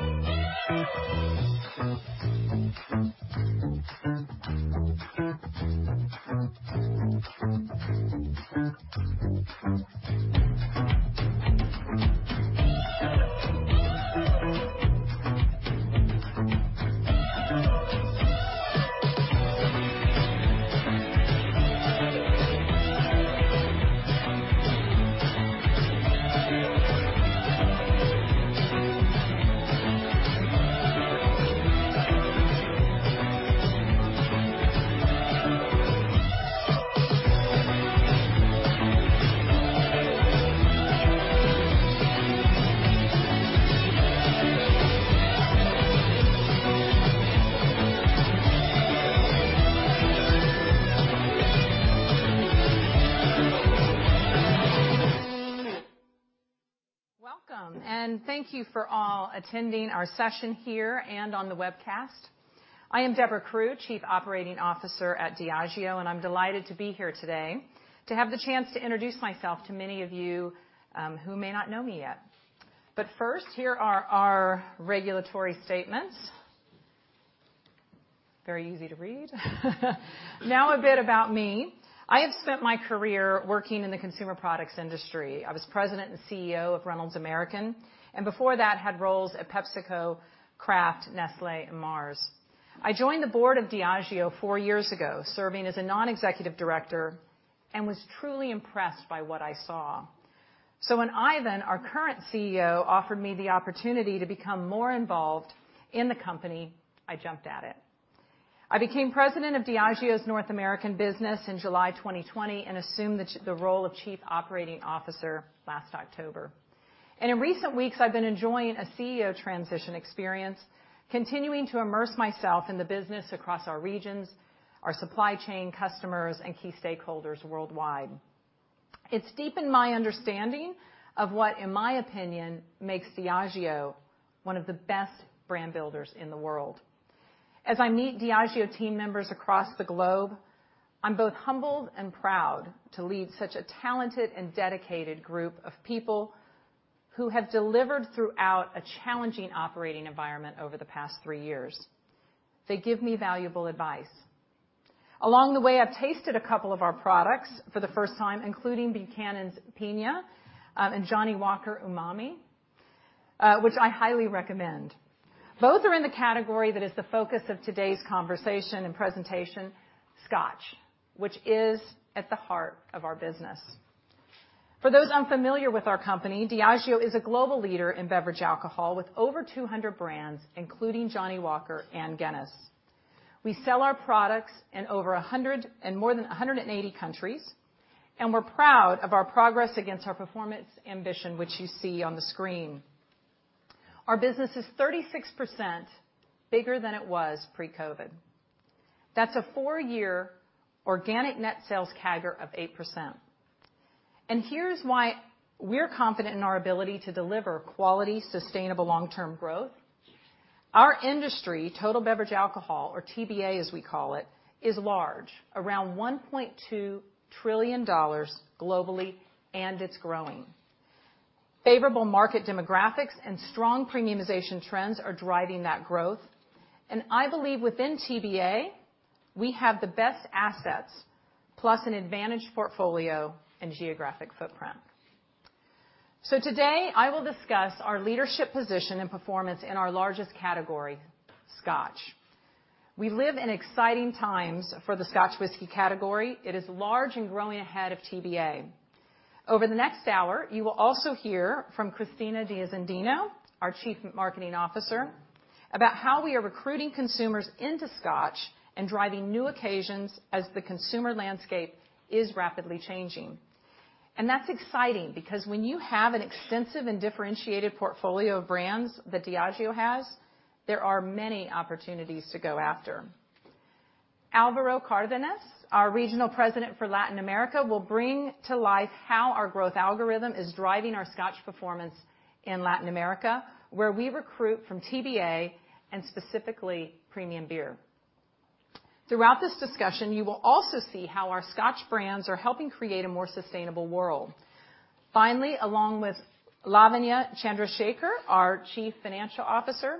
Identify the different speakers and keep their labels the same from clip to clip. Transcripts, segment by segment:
Speaker 1: Welcome, thank you for all attending our session here and on the webcast. I am Debra Crew, Chief Operating Officer at Diageo, I'm delighted to be here today to have the chance to introduce myself to many of you who may not know me yet. First, here are our regulatory statements. Very easy to read. A bit about me. I have spent my career working in the consumer products industry. I was President and CEO of Reynolds American, before that, had roles at PepsiCo, Kraft, Nestlé, and Mars. I joined the board of Diageo four years ago, serving as a non-executive director, was truly impressed by what I saw. When Ivan, our current CEO, offered me the opportunity to become more involved in the company, I jumped at it. I became President of Diageo's North American business in July 2020, assumed the role of Chief Operating Officer last October. In recent weeks, I've been enjoying a CEO transition experience, continuing to immerse myself in the business across our regions, our supply chain, customers, and key stakeholders worldwide. It's deepened my understanding of what, in my opinion, makes Diageo one of the best brand builders in the world. As I meet Diageo team members across the globe, I'm both humbled and proud to lead such a talented and dedicated group of people who have delivered throughout a challenging operating environment over the past three years. They give me valuable advice. Along the way, I've tasted a couple of our products for the first time, including Buchanan's Piña, and Johnnie Walker Umami, which I highly recommend. Both are in the category that is the focus of today's conversation and presentation, Scotch, which is at the heart of our business. For those unfamiliar with our company, Diageo is a global leader in beverage alcohol, with over 200 brands, including Johnnie Walker and Guinness. We sell our products in more than 180 countries, and we're proud of our progress against our performance ambition, which you see on the screen. Our business is 36% bigger than it was pre-COVID. That's a four-year organic net sales CAGR of 8%. Here's why we're confident in our ability to deliver quality, sustainable, long-term growth. Our industry, total beverage alcohol, or TBA, as we call it, is large, around $1.2 trillion globally, and it's growing. Favorable market demographics and strong premiumization trends are driving that growth. I believe within TBA, we have the best assets, plus an advantage portfolio and geographic footprint. Today, I will discuss our leadership position and performance in our largest category, Scotch. We live in exciting times for the Scotch whisky category. It is large and growing ahead of TBA. Over the next hour, you will also hear from Cristina Diezhandino, our Chief Marketing Officer, about how we are recruiting consumers into Scotch and driving new occasions as the consumer landscape is rapidly changing. That's exciting because when you have an extensive and differentiated portfolio of brands that Diageo has, there are many opportunities to go after. Alvaro Cardenas, our Regional President for Latin America, will bring to life how our growth algorithm is driving our Scotch performance in Latin America, where we recruit from TBA and specifically, premium beer. Throughout this discussion, you will also see how our Scotch brands are helping create a more sustainable world. Finally, along with Lavanya Chandrashekar, our Chief Financial Officer,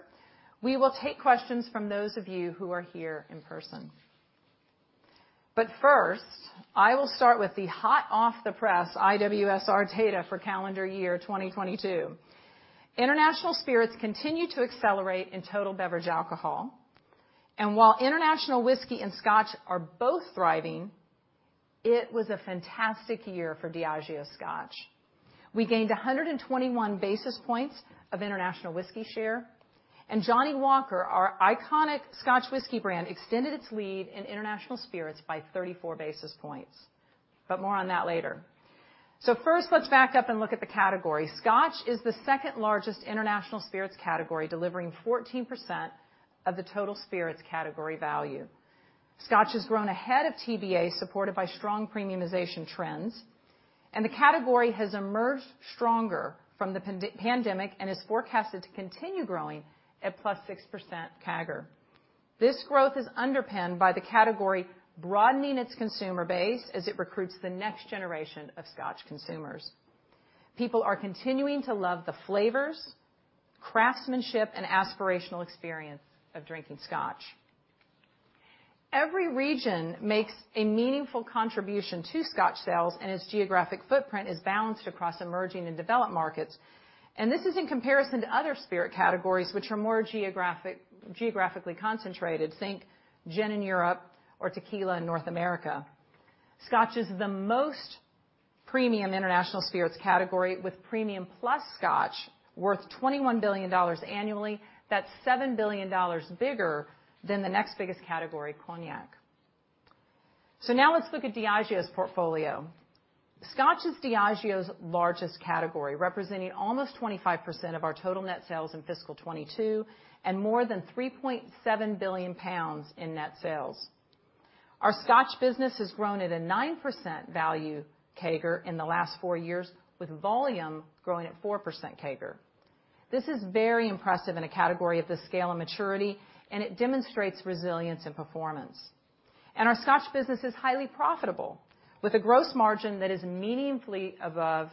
Speaker 1: we will take questions from those of you who are here in person. First, I will start with the hot-off-the-press IWSR data for calendar year 2022. International spirits continue to accelerate in total beverage alcohol, and while international whisky and Scotch are both thriving, it was a fantastic year for Diageo Scotch. We gained 121 basis points of international whisky share, and Johnnie Walker, our iconic Scotch whisky brand, extended its lead in international spirits by 34 basis points. More on that later. First, let's back up and look at the category. Scotch is the second-largest international spirits category, delivering 14% of the total spirits category value. Scotch has grown ahead of TBA, supported by strong premiumization trends. The category has emerged stronger from the pandemic, and is forecasted to continue growing at +6% CAGR. This growth is underpinned by the category broadening its consumer base as it recruits the next generation of Scotch consumers. People are continuing to love the flavors, craftsmanship, and aspirational experience of drinking Scotch. Every region makes a meaningful contribution to Scotch sales, and its geographic footprint is balanced across emerging and developed markets. This is in comparison to other spirit categories, which are more geographically concentrated. Think gin in Europe or tequila in North America. Scotch is the most premium international spirits category, with premium plus Scotch worth $21 billion annually. That's $7 billion bigger than the next biggest category, cognac. Let's look at Diageo's portfolio. Scotch is Diageo's largest category, representing almost 25% of our total net sales in fiscal 2022, and more than 3.7 billion pounds in net sales. Our Scotch business has grown at a 9% value CAGR in the last four years, with volume growing at 4% CAGR. This is very impressive in a category of this scale and maturity, and it demonstrates resilience and performance. Our Scotch business is highly profitable, with a gross margin that is meaningfully above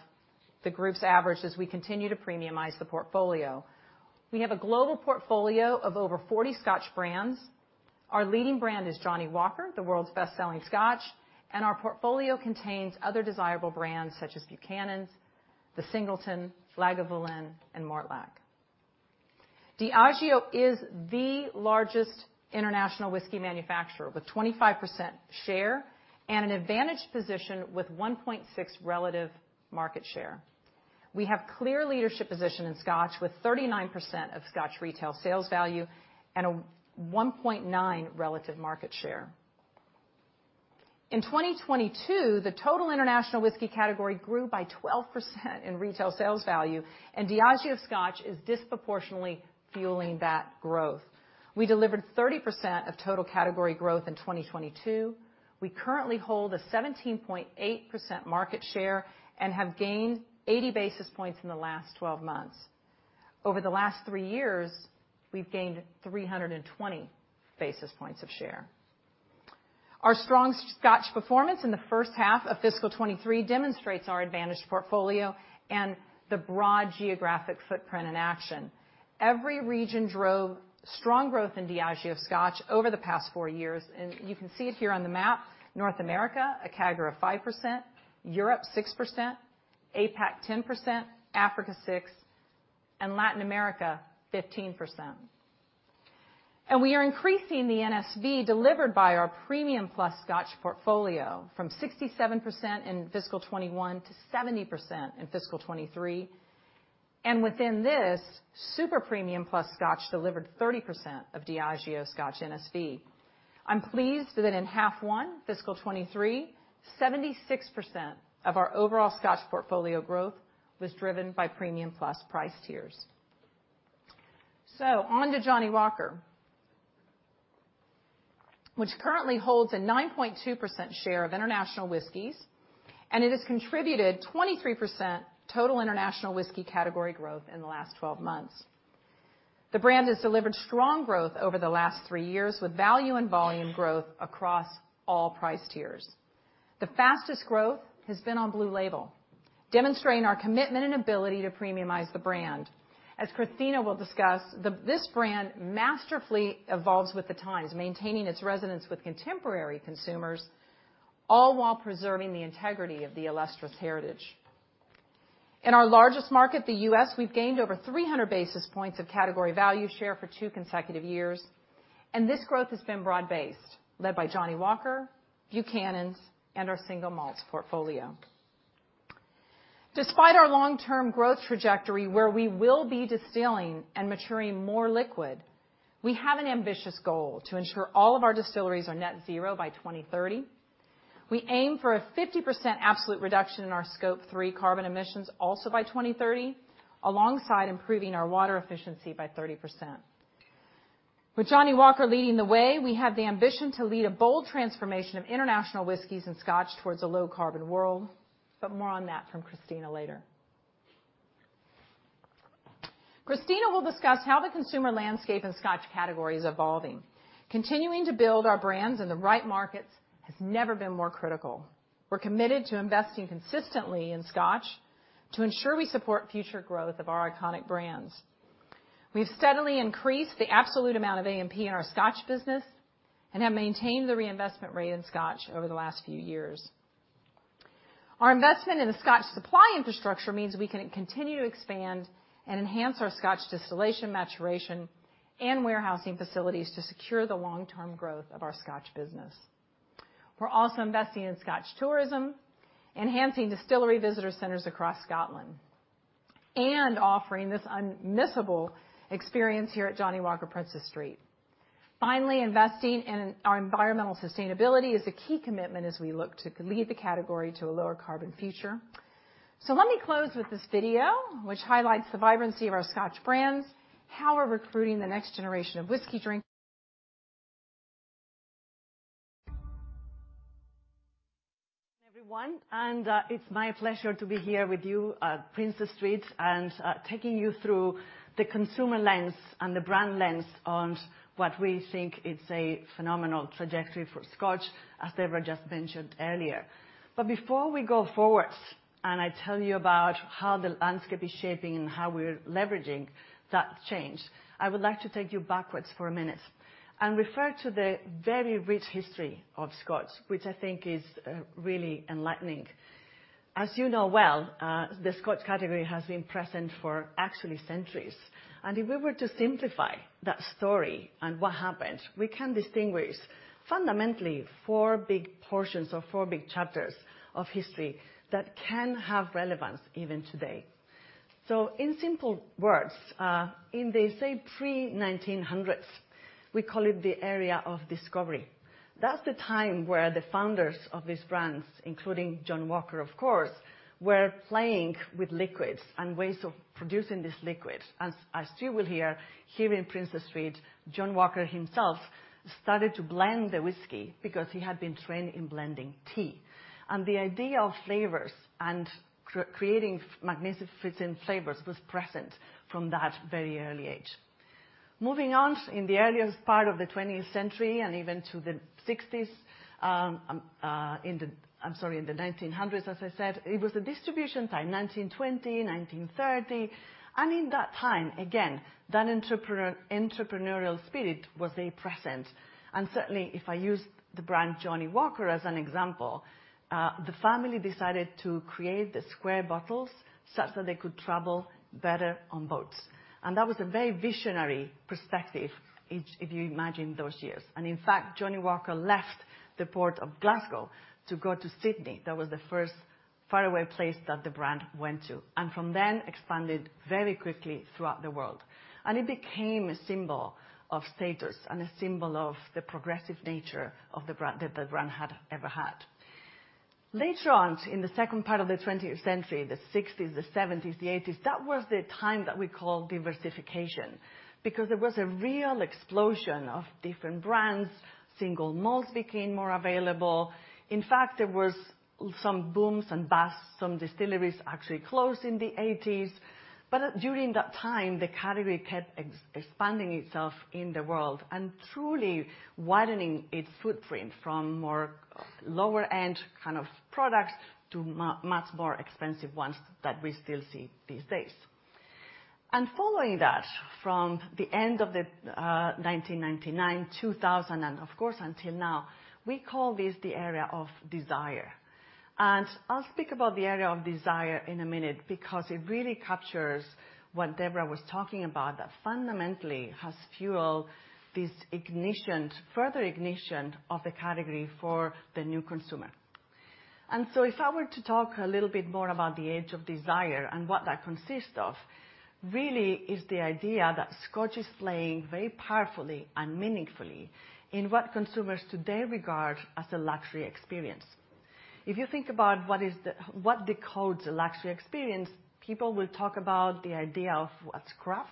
Speaker 1: the group's average as we continue to premiumize the portfolio. We have a global portfolio of over 40 Scotch brands. Our leading brand is Johnnie Walker, the world's best-selling Scotch, and our portfolio contains other desirable brands such as Buchanan's, The Singleton, Lagavulin, and Mortlach. Diageo is the largest international whiskey manufacturer, with 25% share and an advantaged position with 1.6 relative market share. We have clear leadership position in Scotch, with 39% of Scotch retail sales value and a 1.9 relative market share. In 2022, the total international whiskey category grew by 12% in retail sales value, and Diageo Scotch is disproportionately fueling that growth. We delivered 30% of total category growth in 2022. We currently hold a 17.8% market share and have gained 80 basis points in the last 12 months. Over the last three years, we've gained 320 basis points of share. Our strong Scotch performance in the first half of fiscal 2023 demonstrates our advantaged portfolio and the broad geographic footprint in action. Every region drove strong growth in Diageo Scotch over the past four years, and you can see it here on the map. North America, a CAGR of 5%, Europe, 6%, APAC, 10%, Africa, 6%, and Latin America, 15%. We are increasing the NSV delivered by our premium plus Scotch portfolio from 67% in fiscal 2021 to 70% in fiscal 2023. Within this, super premium plus Scotch delivered 30% of Diageo Scotch NSV. I'm pleased that in half one, fiscal 2023, 76% of our overall Scotch portfolio growth was driven by premium plus price tiers. On to Johnnie Walker, which currently holds a 9.2% share of international whiskeys, and it has contributed 23% total international whiskey category growth in the last 12 months. The brand has delivered strong growth over the last three years, with value and volume growth across all price tiers. The fastest growth has been on Blue Label, demonstrating our commitment and ability to premiumize the brand. As Cristina will discuss, this brand masterfully evolves with the times, maintaining its resonance with contemporary consumers, all while preserving the integrity of the illustrious heritage. In our largest market, the U.S., we've gained over 300 basis points of category value share for 2 consecutive years, this growth has been broad-based, led by Johnnie Walker, Buchanan's, and our single malt portfolio. Despite our long-term growth trajectory, where we will be distilling and maturing more liquid, we have an ambitious goal to ensure all of our distilleries are net zero by 2030. We aim for a 50% absolute reduction in our scope three carbon emissions also by 2030, alongside improving our water efficiency by 30%. With Johnnie Walker leading the way, we have the ambition to lead a bold transformation of international whiskeys and Scotch towards a low-carbon world, but more on that from Cristina later. Cristina will discuss how the consumer landscape and Scotch category is evolving. Continuing to build our brands in the right markets has never been more critical. We're committed to investing consistently in Scotch to ensure we support future growth of our iconic brands. We've steadily increased the absolute amount of A&P in our Scotch business and have maintained the reinvestment rate in Scotch over the last few years. Our investment in the Scotch supply infrastructure means we can continue to expand and enhance our Scotch distillation, maturation, and warehousing facilities to secure the long-term growth of our Scotch business. We're also investing in Scotch tourism, enhancing distillery visitor centers across Scotland, and offering this unmissable experience here at Johnnie Walker Princes Street. Finally, investing in our environmental sustainability is a key commitment as we look to lead the category to a lower carbon future. Let me close with this video, which highlights the vibrancy of our Scotch brands, how we're recruiting the next generation of whiskey drinkers....
Speaker 2: everyone, it's my pleasure to be here with you at Princes Street, taking you through the consumer lens and the brand lens on what we think is a phenomenal trajectory for Scotch, as Debra just mentioned earlier. Before we go forward, and I tell you about how the landscape is shaping and how we're leveraging that change, I would like to take you backwards for a minute and refer to the very rich history of Scotch, which I think is really enlightening. As you know well, the Scotch category has been present for actually centuries, and if we were to simplify that story and what happened, we can distinguish fundamentally four big portions or four big chapters of history that can have relevance even today. In simple words, in the pre-1900s, we call it the Area of Discovery. That's the time where the founders of these brands, including John Walker, of course, were playing with liquids and ways of producing this liquid. As you will hear, here in Princes Street, John Walker himself started to blend the whisky because he had been trained in blending tea, and the idea of flavors and creating magnificent flavors was present from that very early age. In the earliest part of the 20th century and even to the sixties, in the 1900s, as I said, it was a distribution time, 1920, 1930. In that time, again, that entrepreneurial spirit was a present. Certainly, if I use the brand Johnnie Walker as an example, the family decided to create the square bottles such that they could travel better on boats. That was a very visionary perspective, if you imagine those years. In fact, Johnnie Walker left the port of Glasgow to go to Sydney. That was the first faraway place that the brand went to, and from then expanded very quickly throughout the world. It became a symbol of status and a symbol of the progressive nature of the brand, that the brand had ever had. Later on, in the second part of the 20th century, the 60s, the 70s, the 80s, that was the time that we call diversification, because there was a real explosion of different brands. Single malts became more available. In fact, there was some booms and busts. Some distilleries actually closed in the 80s. During that time, the category kept expanding itself in the world and truly widening its footprint from more lower-end kind of products to much more expensive ones that we still see these days. Following that, from the end of the 1999, 2000, of course, until now, we call this the Area of Desire. I'll speak about the Area of Desire in a minute because it really captures what Debra was talking about that fundamentally has fueled this ignition, further ignition of the category for the new consumer. If I were to talk a little bit more about the Age of Desire and what that consists of, really is the idea that Scotch is playing very powerfully and meaningfully in what consumers today regard as a luxury experience. If you think about what decodes a luxury experience, people will talk about the idea of what's craft.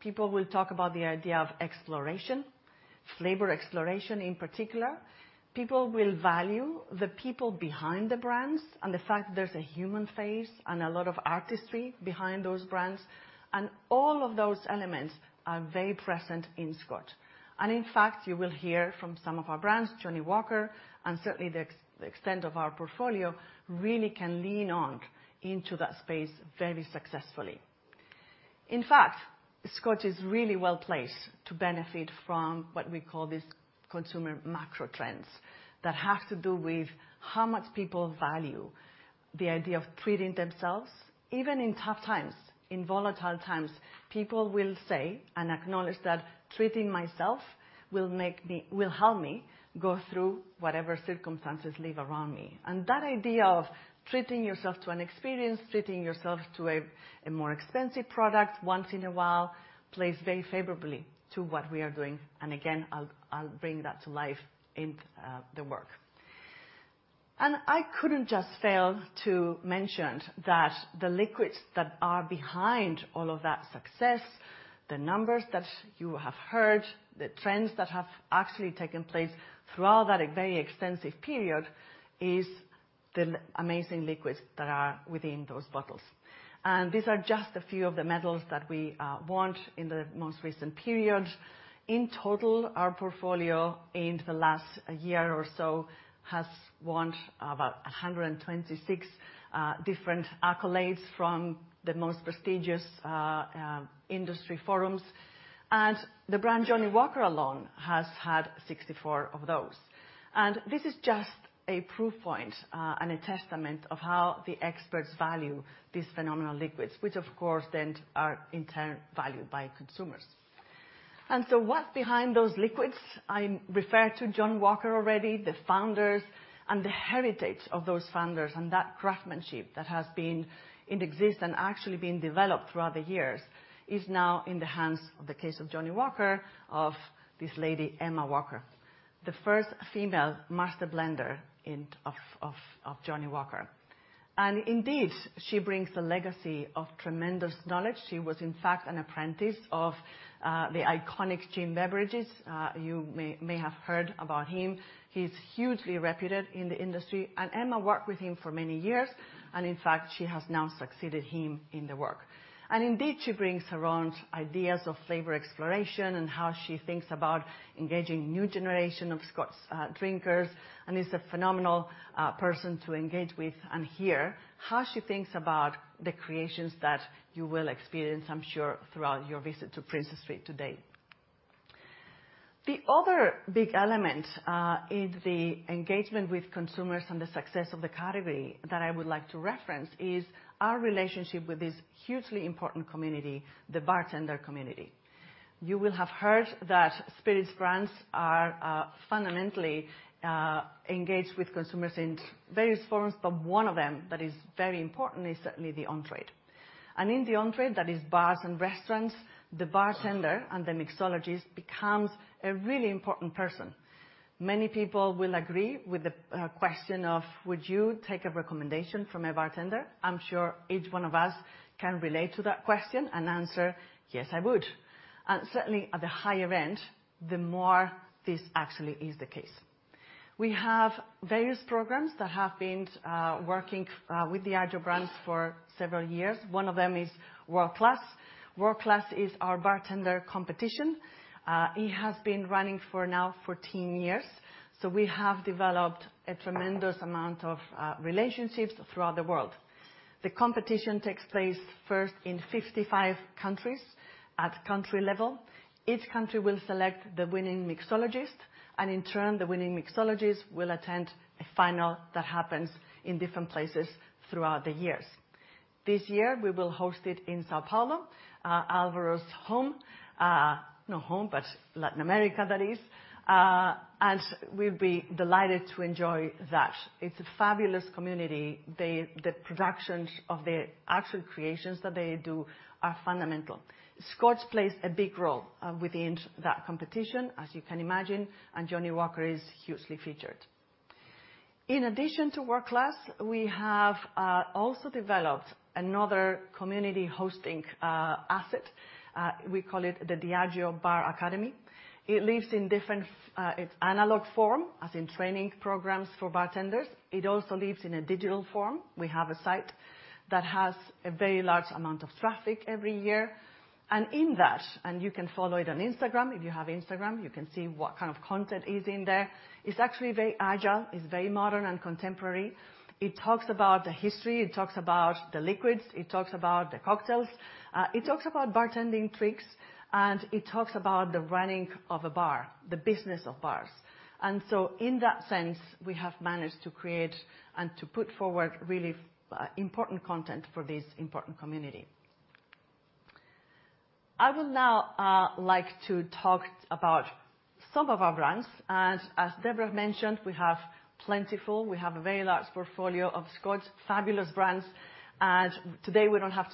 Speaker 2: People will talk about the idea of exploration, flavor exploration in particular. People will value the people behind the brands and the fact that there's a human face and a lot of artistry behind those brands, and all of those elements are very present in Scotch. In fact, you will hear from some of our brands, Johnnie Walker, and certainly the extent of our portfolio, really can lean on into that space very successfully. In fact, Scotch is really well placed to benefit from what we call these consumer macro trends that have to do with how much people value the idea of treating themselves, even in tough times, in volatile times, people will say and acknowledge that will help me go through whatever circumstances live around me. That idea of treating yourself to an experience, treating yourself to a more expensive product once in a while, plays very favorably to what we are doing. Again, I'll bring that to life in the work. I couldn't just fail to mention that the liquids that are behind all of that success, the numbers that you have heard, the trends that have actually taken place throughout that very extensive period, is the amazing liquids that are within those bottles. These are just a few of the medals that we won in the most recent period. In total, our portfolio in the last year or so has won about 126 different accolades from the most prestigious industry forums. The brand Johnnie Walker alone has had 64 of those. This is just a proof point and a testament of how the experts value these phenomenal liquids, which, of course, then are in turn valued by consumers. What's behind those liquids? I referred to John Walker already, the founders and the heritage of those founders, and that craftsmanship that has been in exist and actually been developed throughout the years is now in the hands, of the case of Johnnie Walker, of this lady, Emma Walker, the first female Master Blender of Johnnie Walker. Indeed, she brings a legacy of tremendous knowledge. She was, in fact, an apprentice of the iconic Jim Beveridge. You may have heard about him. He's hugely reputed in the industry, and Emma worked with him for many years, and in fact, she has now succeeded him in the work. Indeed, she brings her own ideas of flavor exploration and how she thinks about engaging new generation of Scotch drinkers, and is a phenomenal person to engage with and hear how she thinks about the creations that you will experience, I'm sure, throughout your visit to Princes Street today. The other big element in the engagement with consumers and the success of the category that I would like to reference is our relationship with this hugely important community, the bartender community. You will have heard that Spirits brands are fundamentally engaged with consumers in various forms, but one of them that is very important is certainly the on-trade. In the on-trade, that is bars and restaurants, the bartender and the mixologist becomes a really important person. Many people will agree with the question of: Would you take a recommendation from a bartender? I'm sure each one of us can relate to that question and answer, "Yes, I would." Certainly, at the higher end, the more this actually is the case. We have various programs that have been working with the Diageo brands for several years. One of them is World Class. World Class is our bartender competition. It has been running for now 14 years, so we have developed a tremendous amount of relationships throughout the world. The competition takes place first in 55 countries at country level. Each country will select the winning mixologist, in turn, the winning mixologist will attend a final that happens in different places throughout the years. This year, we will host it in São Paulo, Alvaro's home, not home, but Latin America, that is, and we'll be delighted to enjoy that. It's a fabulous community. The productions of the actual creations that they do are fundamental. Scotch plays a big role within that competition, as you can imagine, and Johnnie Walker is hugely featured. In addition to World Class, we have also developed another community hosting asset. We call it the Diageo Bar Academy. It lives in different, it's analog form, as in training programs for bartenders. It also lives in a digital form. We have a site that has a very large amount of traffic every year. In that, and you can follow it on Instagram. If you have Instagram, you can see what kind of content is in there. It's actually very agile, it's very modern and contemporary. It talks about the history, it talks about the liquids, it talks about the cocktails, it talks about bartending tricks, it talks about the running of a bar, the business of bars. In that sense, we have managed to create and to put forward really important content for this important community. I would now like to talk about some of our brands, and as Debra mentioned, we have plentiful, we have a very large portfolio of Scotch, fabulous brands, and today we don't have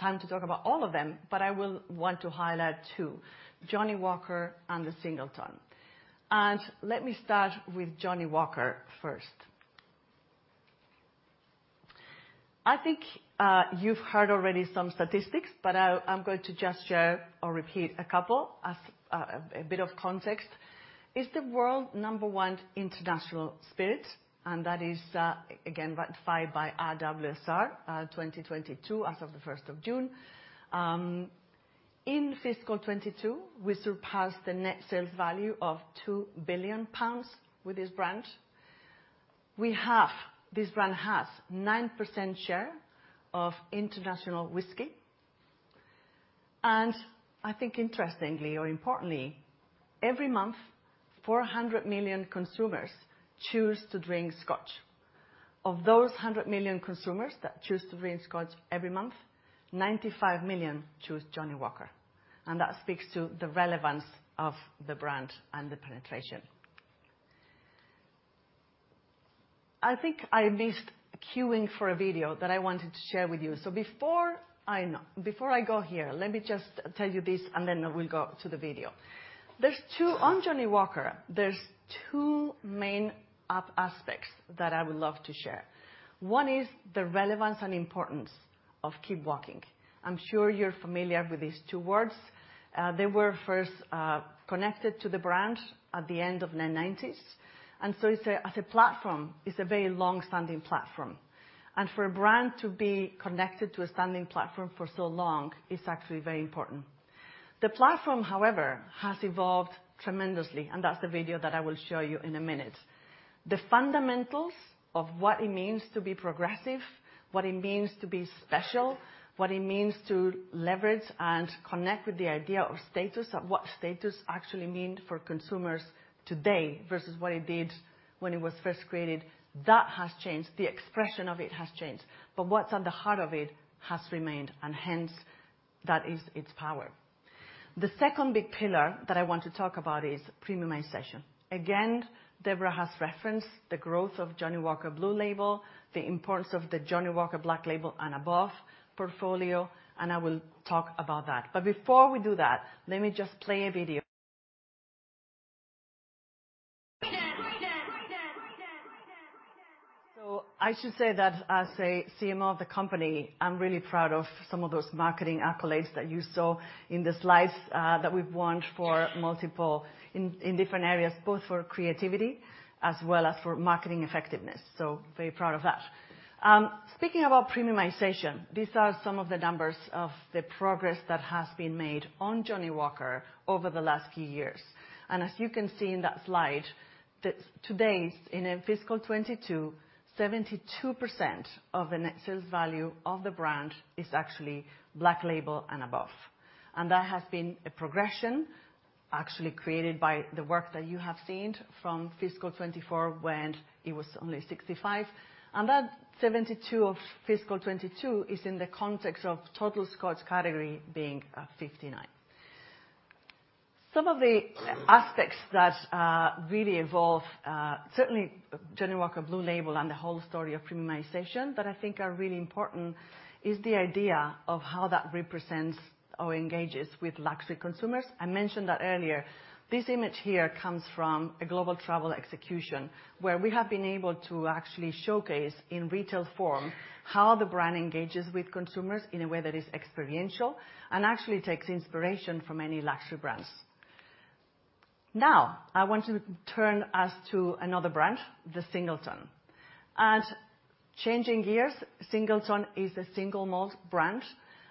Speaker 2: time to talk about all of them, but I will want to highlight two: Johnnie Walker and The Singleton. Let me start with Johnnie Walker first. I think you've heard already some statistics, but I'm going to just share or repeat a couple as a bit of context. It's the world number one international spirit, and that is again, verified by IWSR 2022, as of the 1st of June. In fiscal 2022, we surpassed the net sales value of 2 billion pounds with this brand. This brand has 9% share of international whiskey. I think interestingly or importantly, every month, 400 million consumers choose to drink Scotch. Of those 100 million consumers that choose to drink Scotch every month, 95 million choose Johnnie Walker, that speaks to the relevance of the brand and the penetration. I think I missed queuing for a video that I wanted to share with you. Before I go here, let me just tell you this, then we'll go to the video. There's two on Johnnie Walker, there's two main aspects that I would love to share. One is the relevance and importance of Keep Walking. I'm sure you're familiar with these two words. They were first connected to the brand at the end of the nineties, it's a, as a platform, it's a very long-standing platform. For a brand to be connected to a standing platform for so long, is actually very important. The platform, however, has evolved tremendously, and that's the video that I will show you in a minute. The fundamentals of what it means to be progressive, what it means to be special, what it means to leverage and connect with the idea of status, and what status actually mean for consumers today versus what it did when it was first created, that has changed. The expression of it has changed, but what's at the heart of it has remained, and hence, that is its power. The second big pillar that I want to talk about is premiumization. Again, Debra has referenced the growth of Johnnie Walker Blue Label, the importance of the Johnnie Walker Black Label and above portfolio, and I will talk about that. Before we do that, let me just play a video. I should say that as a CMO of the company, I'm really proud of some of those marketing accolades that you saw in the slides, that we've won for multiple, in different areas, both for creativity as well as for marketing effectiveness, so very proud of that. Speaking about premiumization, these are some of the numbers of the progress that has been made on Johnnie Walker over the last few years. As you can see in that slide, today, in fiscal 2022, 72% of the net sales value of the brand is actually Black Label and above. That has been a progression actually created by the work that you have seen from fiscal 2024, when it was only 65%. That 72% of fiscal 2022 is in the context of total Scotch category being 59%. Some of the aspects that really evolve, certainly Johnnie Walker Blue Label and the whole story of premiumization, that I think are really important, is the idea of how that represents or engages with luxury consumers. I mentioned that earlier. This image here comes from a global travel execution, where we have been able to actually showcase in retail form how the brand engages with consumers in a way that is experiential and actually takes inspiration from many luxury brands. Now, I want to turn us to another brand, The Singleton. Changing gears, The Singleton is a single malt brand,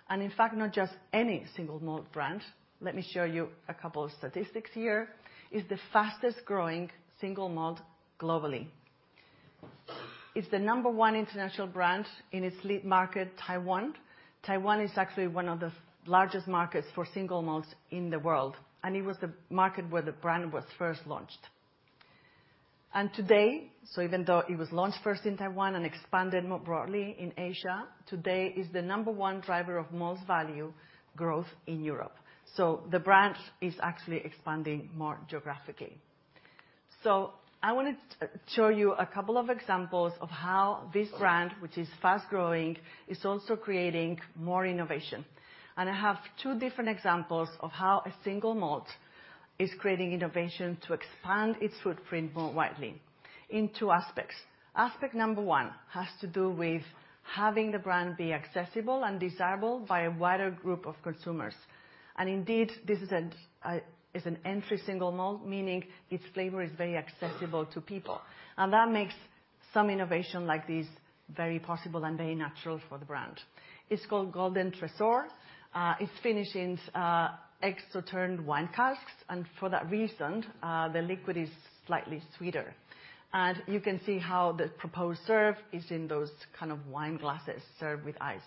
Speaker 2: and in fact, not just any single malt brand. Let me show you a couple of statistics here. It's the fastest growing single malt globally. It's the number 1 international brand in its lead market, Taiwan. Taiwan is actually 1 of the largest markets for single malts in the world, and it was the market where the brand was first launched. Today, so even though it was launched first in Taiwan and expanded more broadly in Asia, today is the number 1 driver of malt value growth in Europe. The brand is actually expanding more geographically. I want to show you a couple of examples of how this brand, which is fast-growing, is also creating more innovation. I have 2 different examples of how a single malt is creating innovation to expand its footprint more widely in 2 aspects. Aspect number 1 has to do with having the brand be accessible and desirable by a wider group of consumers. Indeed, this is an entry single malt, meaning its flavor is very accessible to people, and that makes some innovation like this very possible and very natural for the brand. It's called Golden Tresor. It's finished in ex-Oloroso wine casks, and for that reason, the liquid is slightly sweeter. You can see how the proposed serve is in those kind of wine glasses, served with ice.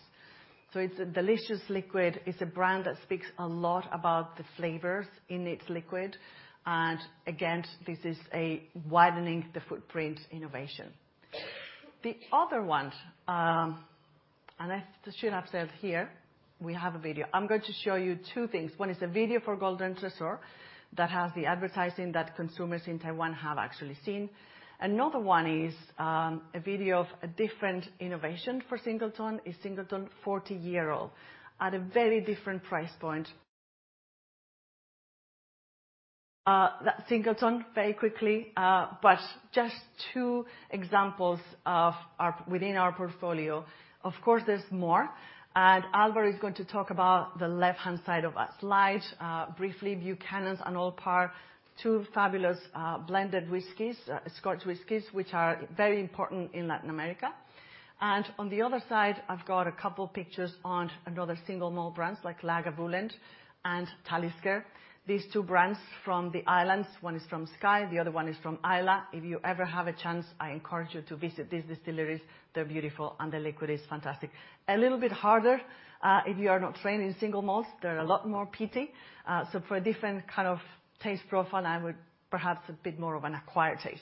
Speaker 2: It's a delicious liquid. It's a brand that speaks a lot about the flavors in its liquid, and again, this is a widening the footprint innovation. The other one, and I should have said here, we have a video. I'm going to show you two things. One is a video for Golden Tresor that has the advertising that consumers in Taiwan have actually seen. Another one is a video of a different innovation for Singleton, a Singleton 40-year-old at a very different price point. That's Singleton, very quickly, just two examples within our portfolio. Of course, there's more. Alvaro is going to talk about the left-hand side of our slide briefly, Buchanan's and Old Parr, two fabulous blended whiskeys, Scotch whiskeys, which are very important in Latin America. On the other side, I've got a couple pictures on another single malt brands like Lagavulin and Talisker. These two brands from the islands, one is from Skye, the other one is from Islay. If you ever have a chance, I encourage you to visit these distilleries. They're beautiful, the liquid is fantastic. A little bit harder if you are not trained in single malts, they're a lot more peaty. For a different kind of taste profile, and with perhaps a bit more of an acquired taste.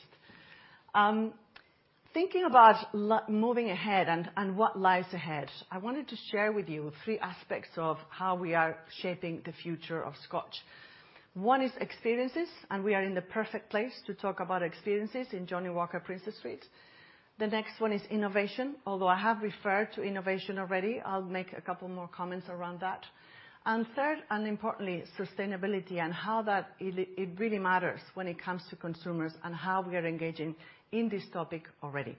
Speaker 2: Thinking about moving ahead and what lies ahead, I wanted to share with you 3 aspects of how we are shaping the future of Scotch. 1 is experiences, we are in the perfect place to talk about experiences in Johnnie Walker Princes Street. The next 1 is innovation. Although I have referred to innovation already, I'll make a couple more comments around that. 3rd, and importantly, sustainability and how that it really matters when it comes to consumers and how we are engaging in this topic already.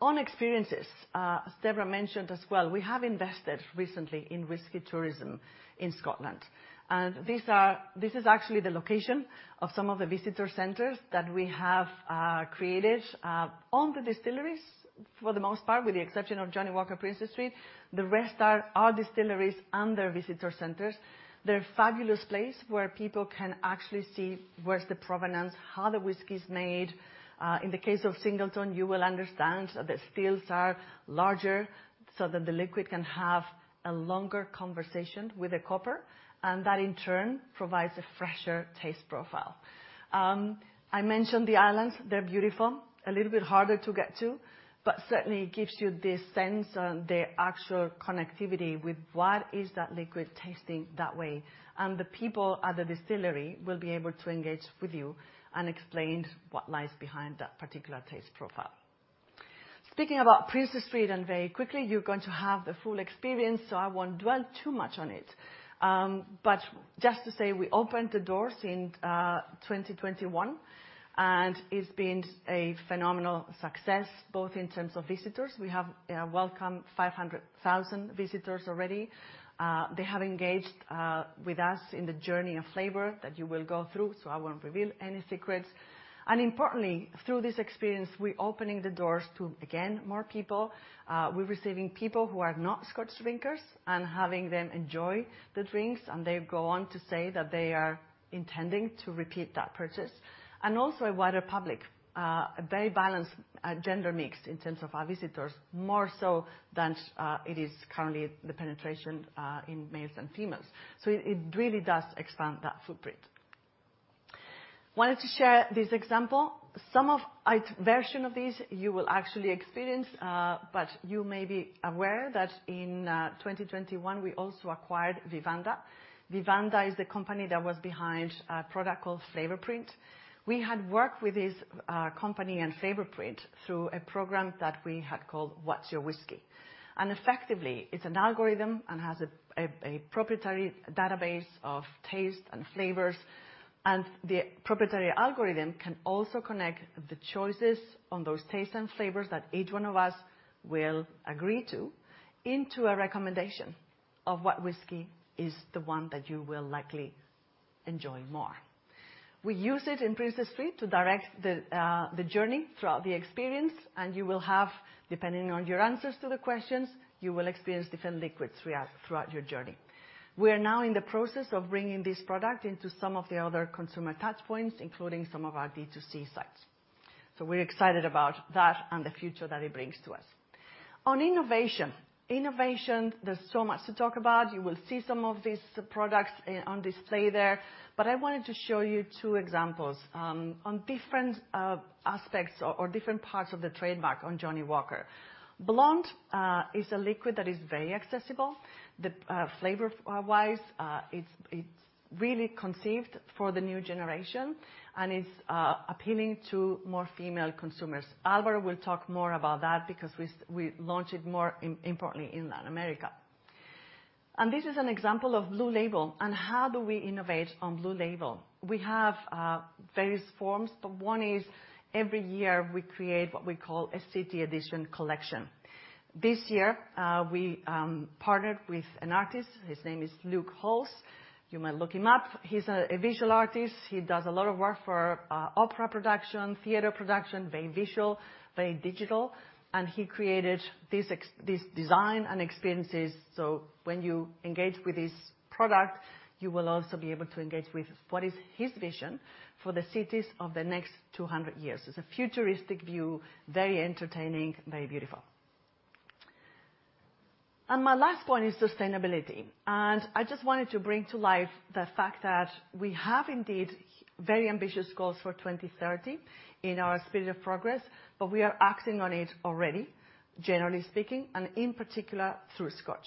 Speaker 2: On experiences, Debra mentioned as well, we have invested recently in whiskey tourism in Scotland, this is actually the location of some of the visitor centers that we have created on the distilleries, for the most part, with the exception of Johnnie Walker Princes Street. The rest are our distilleries and their visitor centers. They're a fabulous place where people can actually see where's the provenance, how the whiskey is made. In the case of Singleton, you will understand that the stills are larger so that the liquid can have a longer conversation with the copper, and that, in turn, provides a fresher taste profile. I mentioned the islands, they're beautiful, a little bit harder to get to, but certainly gives you this sense on the actual connectivity with what is that liquid tasting that way. The people at the distillery will be able to engage with you and explain what lies behind that particular taste profile. Speaking about Princes Street, and very quickly, you're going to have the full experience, so I won't dwell too much on it. But just to say we opened the doors in 2021, and it's been a phenomenal success, both in terms of visitors. We have welcomed 500,000 visitors already. They have engaged with us in the journey of flavor that you will go through, so I won't reveal any secrets. Importantly, through this experience, we're opening the doors to, again, more people. We're receiving people who are not Scotch drinkers and having them enjoy the drinks, and they go on to say that they are intending to repeat that purchase. Also a wider public, a very balanced gender mix in terms of our visitors, more so than it is currently the penetration in males and females. It really does expand that footprint. Wanted to share this example. Some of it, version of this, you will actually experience, you may be aware that in 2021, we also acquired Vivanda. Vivanda is the company that was behind a product called Flavorprint. We had worked with this company and Flavorprint through a program that we had called What's Your Whiskey? Effectively, it's an algorithm and has a proprietary database of taste and flavors, and the proprietary algorithm can also connect the choices on those tastes and flavors that each one of us will agree to into a recommendation of what whiskey is the one that you will likely enjoy more. We use it in Johnnie Walker Princes Street to direct the journey throughout the experience, and you will have, depending on your answers to the questions, you will experience different liquids throughout your journey. We are now in the process of bringing this product into some of the other consumer touchpoints, including some of our D2C sites. We're excited about that and the future that it brings to us. On innovation, there's so much to talk about. You will see some of these products on display there, but I wanted to show you two examples on different aspects or different parts of the trademark on Johnnie Walker. Blonde is a liquid that is very accessible. The flavor-wise, it's really conceived for the new generation, and it's appealing to more female consumers. Alvaro will talk more about that because we launched it more importantly in Latin America. This is an example of Blue Label, and how do we innovate on Blue Label? We have various forms, but one is every year, we create what we call a City Edition collection. This year, we partnered with an artist. His name is Luke Halls. You might look him up. He's a visual artist. He does a lot of work for opera production, theater production, very visual, very digital, he created this design and experiences. When you engage with this product, you will also be able to engage with what is his vision for the cities of the next 200 years. It's a futuristic view, very entertaining, very beautiful. My last point is sustainability, I just wanted to bring to life the fact that we have indeed very ambitious goals for 2030 in our Spirit of Progress, we are acting on it already, generally speaking, and in particular, through Scotch.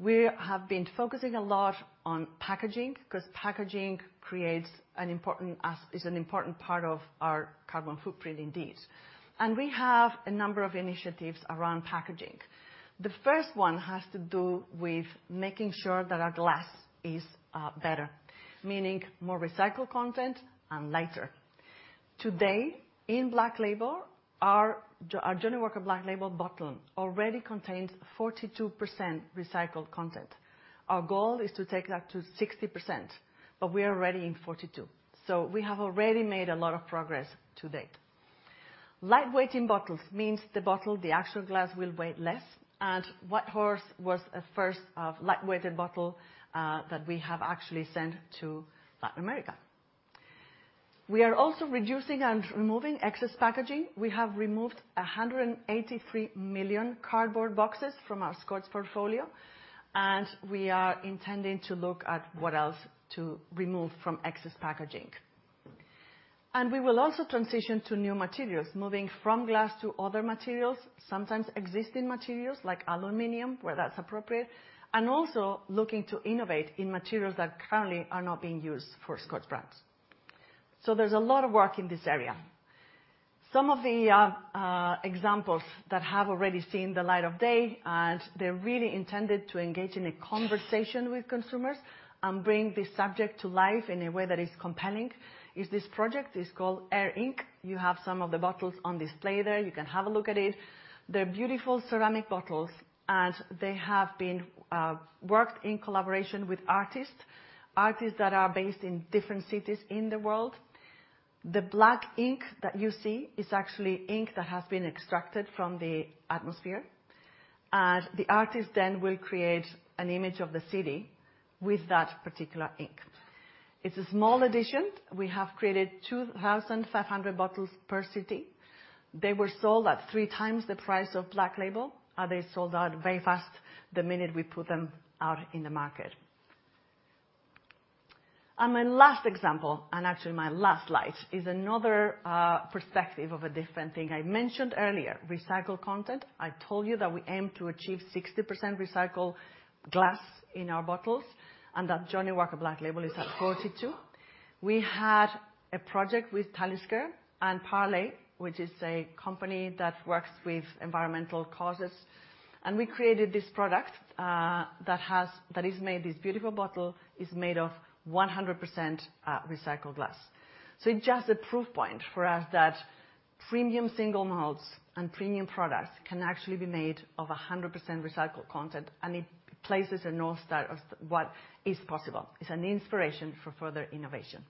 Speaker 2: We have been focusing a lot on packaging, because packaging is an important part of our carbon footprint indeed. We have a number of initiatives around packaging. The first one has to do with making sure that our glass is better, meaning more recycled content and lighter. Today, in Black Label, our Johnnie Walker Black Label bottle already contains 42% recycled content. Our goal is to take that to 60%. We are already in 42. We have already made a lot of progress to date. Lightweighting bottles means the bottle, the actual glass, will weigh less. White Horse was a first of lightweighted bottle that we have actually sent to Latin America. We are also reducing and removing excess packaging. We have removed 183 million cardboard boxes from our Scotch portfolio. We are intending to look at what else to remove from excess packaging. We will also transition to new materials, moving from glass to other materials, sometimes existing materials, like aluminum, where that's appropriate, and also looking to innovate in materials that currently are not being used for Scotch brands. There's a lot of work in this area. Some of the examples that have already seen the light of day, and they're really intended to engage in a conversation with consumers and bring this subject to life in a way that is compelling, is this project. It's called Air Ink. You have some of the bottles on display there. You can have a look at it. They're beautiful ceramic bottles, and they have been worked in collaboration with artists that are based in different cities in the world. The black ink that you see is actually ink that has been extracted from the atmosphere. The artist then will create an image of the city with that particular ink. It's a small edition. We have created 2,500 bottles per city. They were sold at 3 times the price of Black Label. They sold out very fast the minute we put them out in the market. My last example, and actually my last slide, is another perspective of a different thing. I mentioned earlier, recycled content. I told you that we aim to achieve 60% recycled glass in our bottles, and that Johnnie Walker Black Label is at 42. We had a project with Talisker and Parley, which is a company that works with environmental causes, we created this product that is made, this beautiful bottle is made of 100% recycled glass. It's just a proof point for us that premium single malts and premium products can actually be made of 100% recycled content, and it places a north star of what is possible. It's an inspiration for further innovation.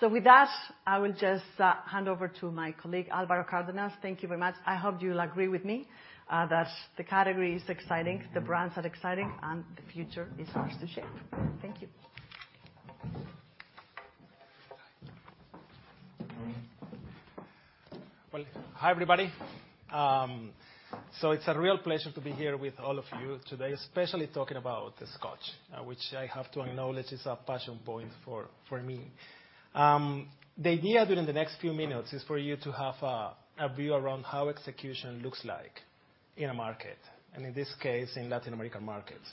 Speaker 2: With that, I will just hand over to my colleague, Alvaro Cardenas. Thank you very much. I hope you'll agree with me that the category is exciting, the brands are exciting, and the future is ours to shape. Thank you.
Speaker 3: Hi, everybody. It's a real pleasure to be here with all of you today, especially talking about the Scotch, which I have to acknowledge is a passion point for me. The idea during the next few minutes is for you to have a view around how execution looks like in a market, and in this case, in Latin American markets.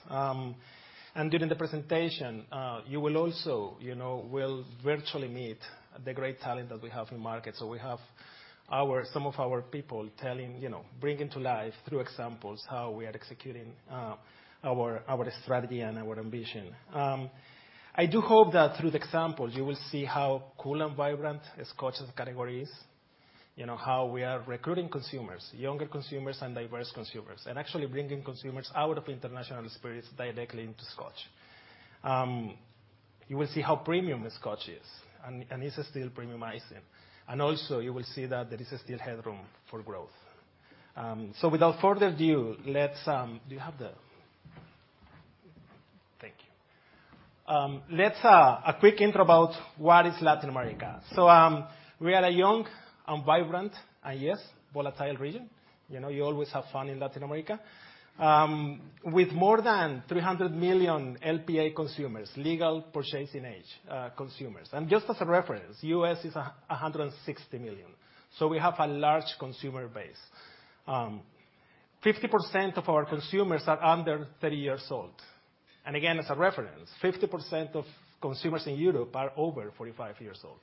Speaker 3: During the presentation, you will also, you know, will virtually meet the great talent that we have in market. We have some of our people telling, you know, bringing to life through examples, how we are executing our strategy and our ambition. I do hope that through the examples, you will see how cool and vibrant a Scotch category is, you know, how we are recruiting consumers, younger consumers and diverse consumers, and actually bringing consumers out of international spirits directly into Scotch. You will see how premium the Scotch is, and it's still premiumizing. You will see that there is still headroom for growth. Without further ado, let's Thank you. Let's a quick intro about what is Latin America. We are a young and vibrant, and yes, volatile region. You know, you always have fun in Latin America. With more than 300 million LPA consumers, legal purchasing age, consumers, and just as a reference, US is a 160 million. We have a large consumer base. 50% of our consumers are under 30 years old, again, as a reference, 50% of consumers in Europe are over 4five years old.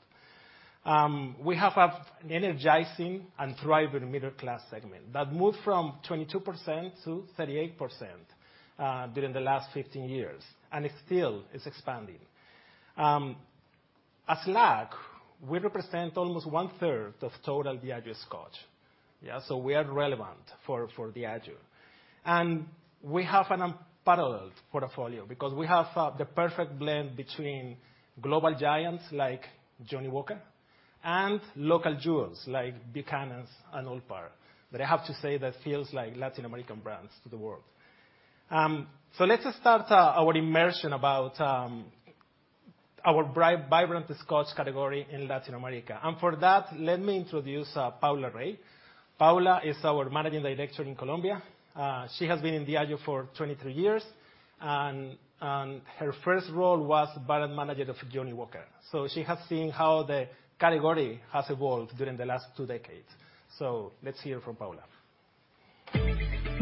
Speaker 3: We have an energizing and thriving middle-class segment that moved from 22% to 38% during the last 1five years, it still is expanding. As LAC, we represent almost 1/3 of total Diageo Scotch. We are relevant for Diageo. We have an unparalleled portfolio because we have the perfect blend between global giants like Johnnie Walker and local jewels like Buchanan's and Old Parr, I have to say that feels like Latin American brands to the world. Let's start our immersion about our vibrant Scotch category in Latin America. For that, let me introduce Paula Rey. Paula is our Managing Director in Colombia. She has been in Diageo for 2three years, and her first role was brand manager of Johnnie Walker. She has seen how the category has evolved during the last 2 decades. Let's hear from Paula.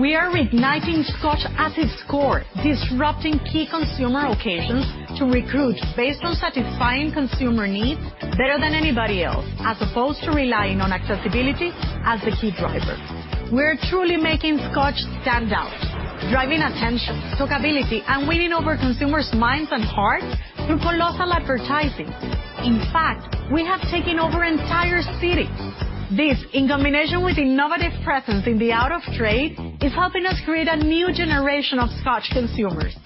Speaker 4: We are reigniting Scotch at its core, disrupting key consumer occasions to recruit based on satisfying consumer needs better than anybody else, as opposed to relying on accessibility as the key driver. We are truly making Scotch stand out, driving attention, talkability, and winning over consumers' minds and hearts through colossal advertising. In fact, we have taken over entire cities. This, in combination with innovative presence in the out of trade, is helping us create a new generation of Scotch consumers.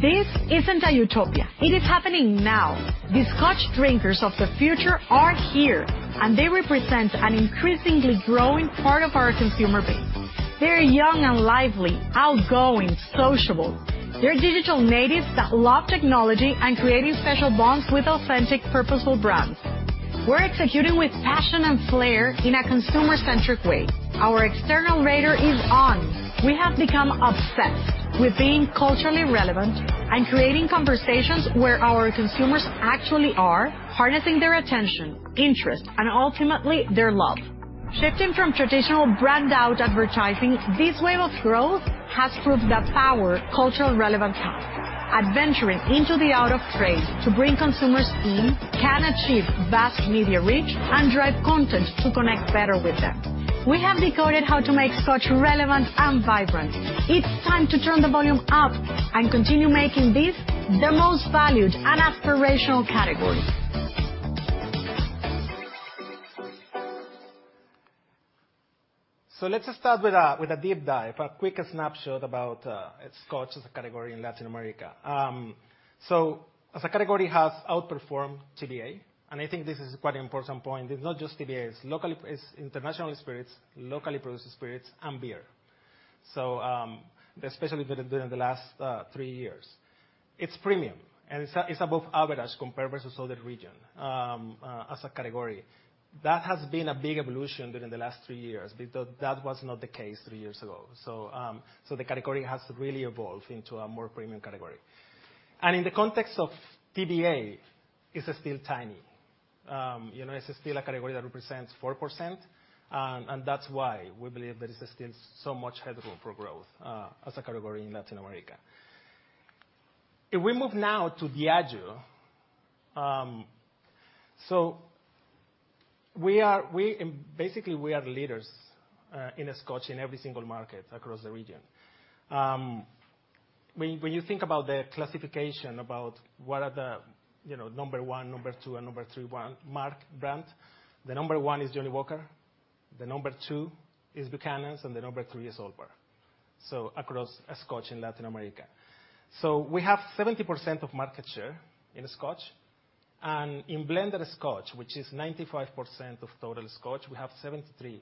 Speaker 4: This isn't a utopia. It is happening now. The Scotch drinkers of the future are here, and they represent an increasingly growing part of our consumer base. They're young and lively, outgoing, sociable. They're digital natives that love technology and creating special bonds with authentic, purposeful brands. We're executing with passion and flair in a consumer-centric way. Our external radar is on. We have become obsessed with being culturally relevant and creating conversations where our consumers actually are harnessing their attention, interest, and ultimately, their love. Shifting from traditional brand out advertising, this wave of growth has proved the power cultural relevance has. Adventuring into the out of trade to bring consumers in can achieve vast media reach and drive content to connect better with them. We have decoded how to make Scotch relevant and vibrant. It's time to turn the volume up and continue making this the most valued and aspirational category.
Speaker 3: Let's start with a deep dive, a quick snapshot about Scotch as a category in Latin America. As a category, it has outperformed TBA, and I think this is quite an important point. It's not just TBA, it's locally, it's international spirits, locally produced spirits, and beer. Especially during the last three years. It's premium, and it's above average compared versus other region as a category that has been a big evolution during the last three years, because that was not the case three years ago. The category has really evolved into a more premium category. In the context of TBA, it's still tiny. You know, it's still a category that represents 4%, and that's why we believe there is still so much headroom for growth as a category in Latin America. If we move now to Diageo, basically, we are leaders in Scotch in every single market across the region. When you think about the classification about what are the number 1, number 2, and number 3 one, mark brand, the number 1 is Johnnie Walker, the number 2 is Buchanan's, and the number 3 is Old Parr, so across Scotch in Latin America. We have 70% of market share in Scotch, and in blended Scotch, which is 95% of total Scotch, we have 73%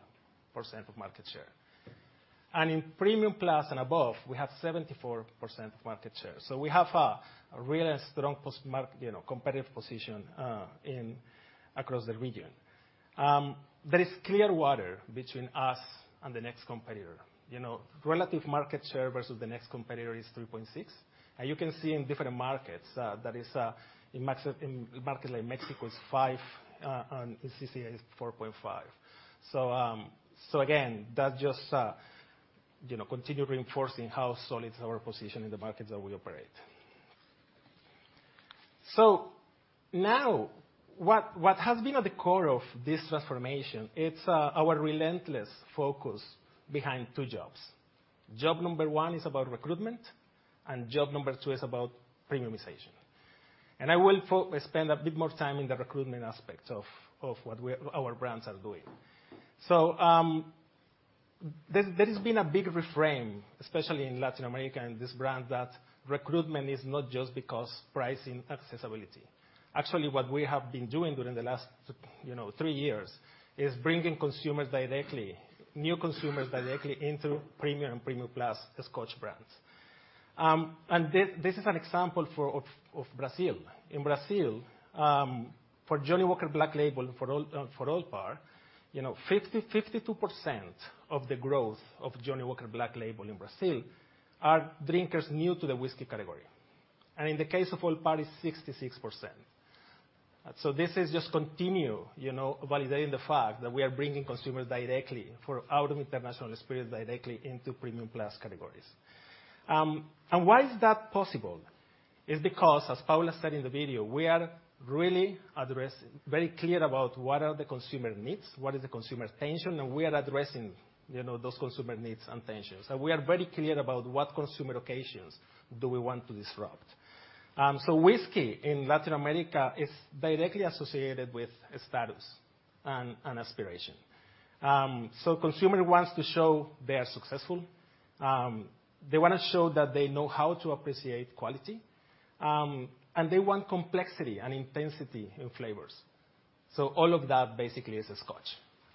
Speaker 3: of market share. In premium plus and above, we have 74% of market share. We have a really strong post-mark, you know, competitive position in across the region. There is clear water between us and the next competitor. You know, relative market share versus the next competitor is 3.6, and you can see in different markets that is in a market like Mexico, it's 5, and in CCA, it's 4.5. Again, that just, you know, continue reinforcing how solid is our position in the markets that we operate. Now, what has been at the core of this transformation, it's our relentless focus behind two jobs. Job number one is about recruitment, and job number two is about premiumization. I will spend a bit more time in the recruitment aspect of what our brands are doing. There has been a big reframe, especially in Latin America, and this brand, that recruitment is not just because pricing, accessibility. Actually, what we have been doing during the last, you know, three years is bringing consumers directly, new consumers directly into premium and premium plus Scotch brands. This is an example of Brazil. In Brazil, for Johnnie Walker Black Label, for Old Parr, you know, 52% of the growth of Johnnie Walker Black Label in Brazil are drinkers new to the whisky category, and in the case of Old Parr, is 66%. This is just continue, you know, validating the fact that we are bringing consumers directly out of international experience, directly into premium plus categories. Why is that possible? It's because, as Paula said in the video, we are really very clear about what are the consumer needs, what is the consumer tension, and we are addressing, you know, those consumer needs and tensions. We are very clear about what consumer occasions do we want to disrupt. Whiskey in Latin America is directly associated with status and aspiration. Consumer wants to show they are successful, they wanna show that they know how to appreciate quality, and they want complexity and intensity in flavors. All of that basically is a Scotch,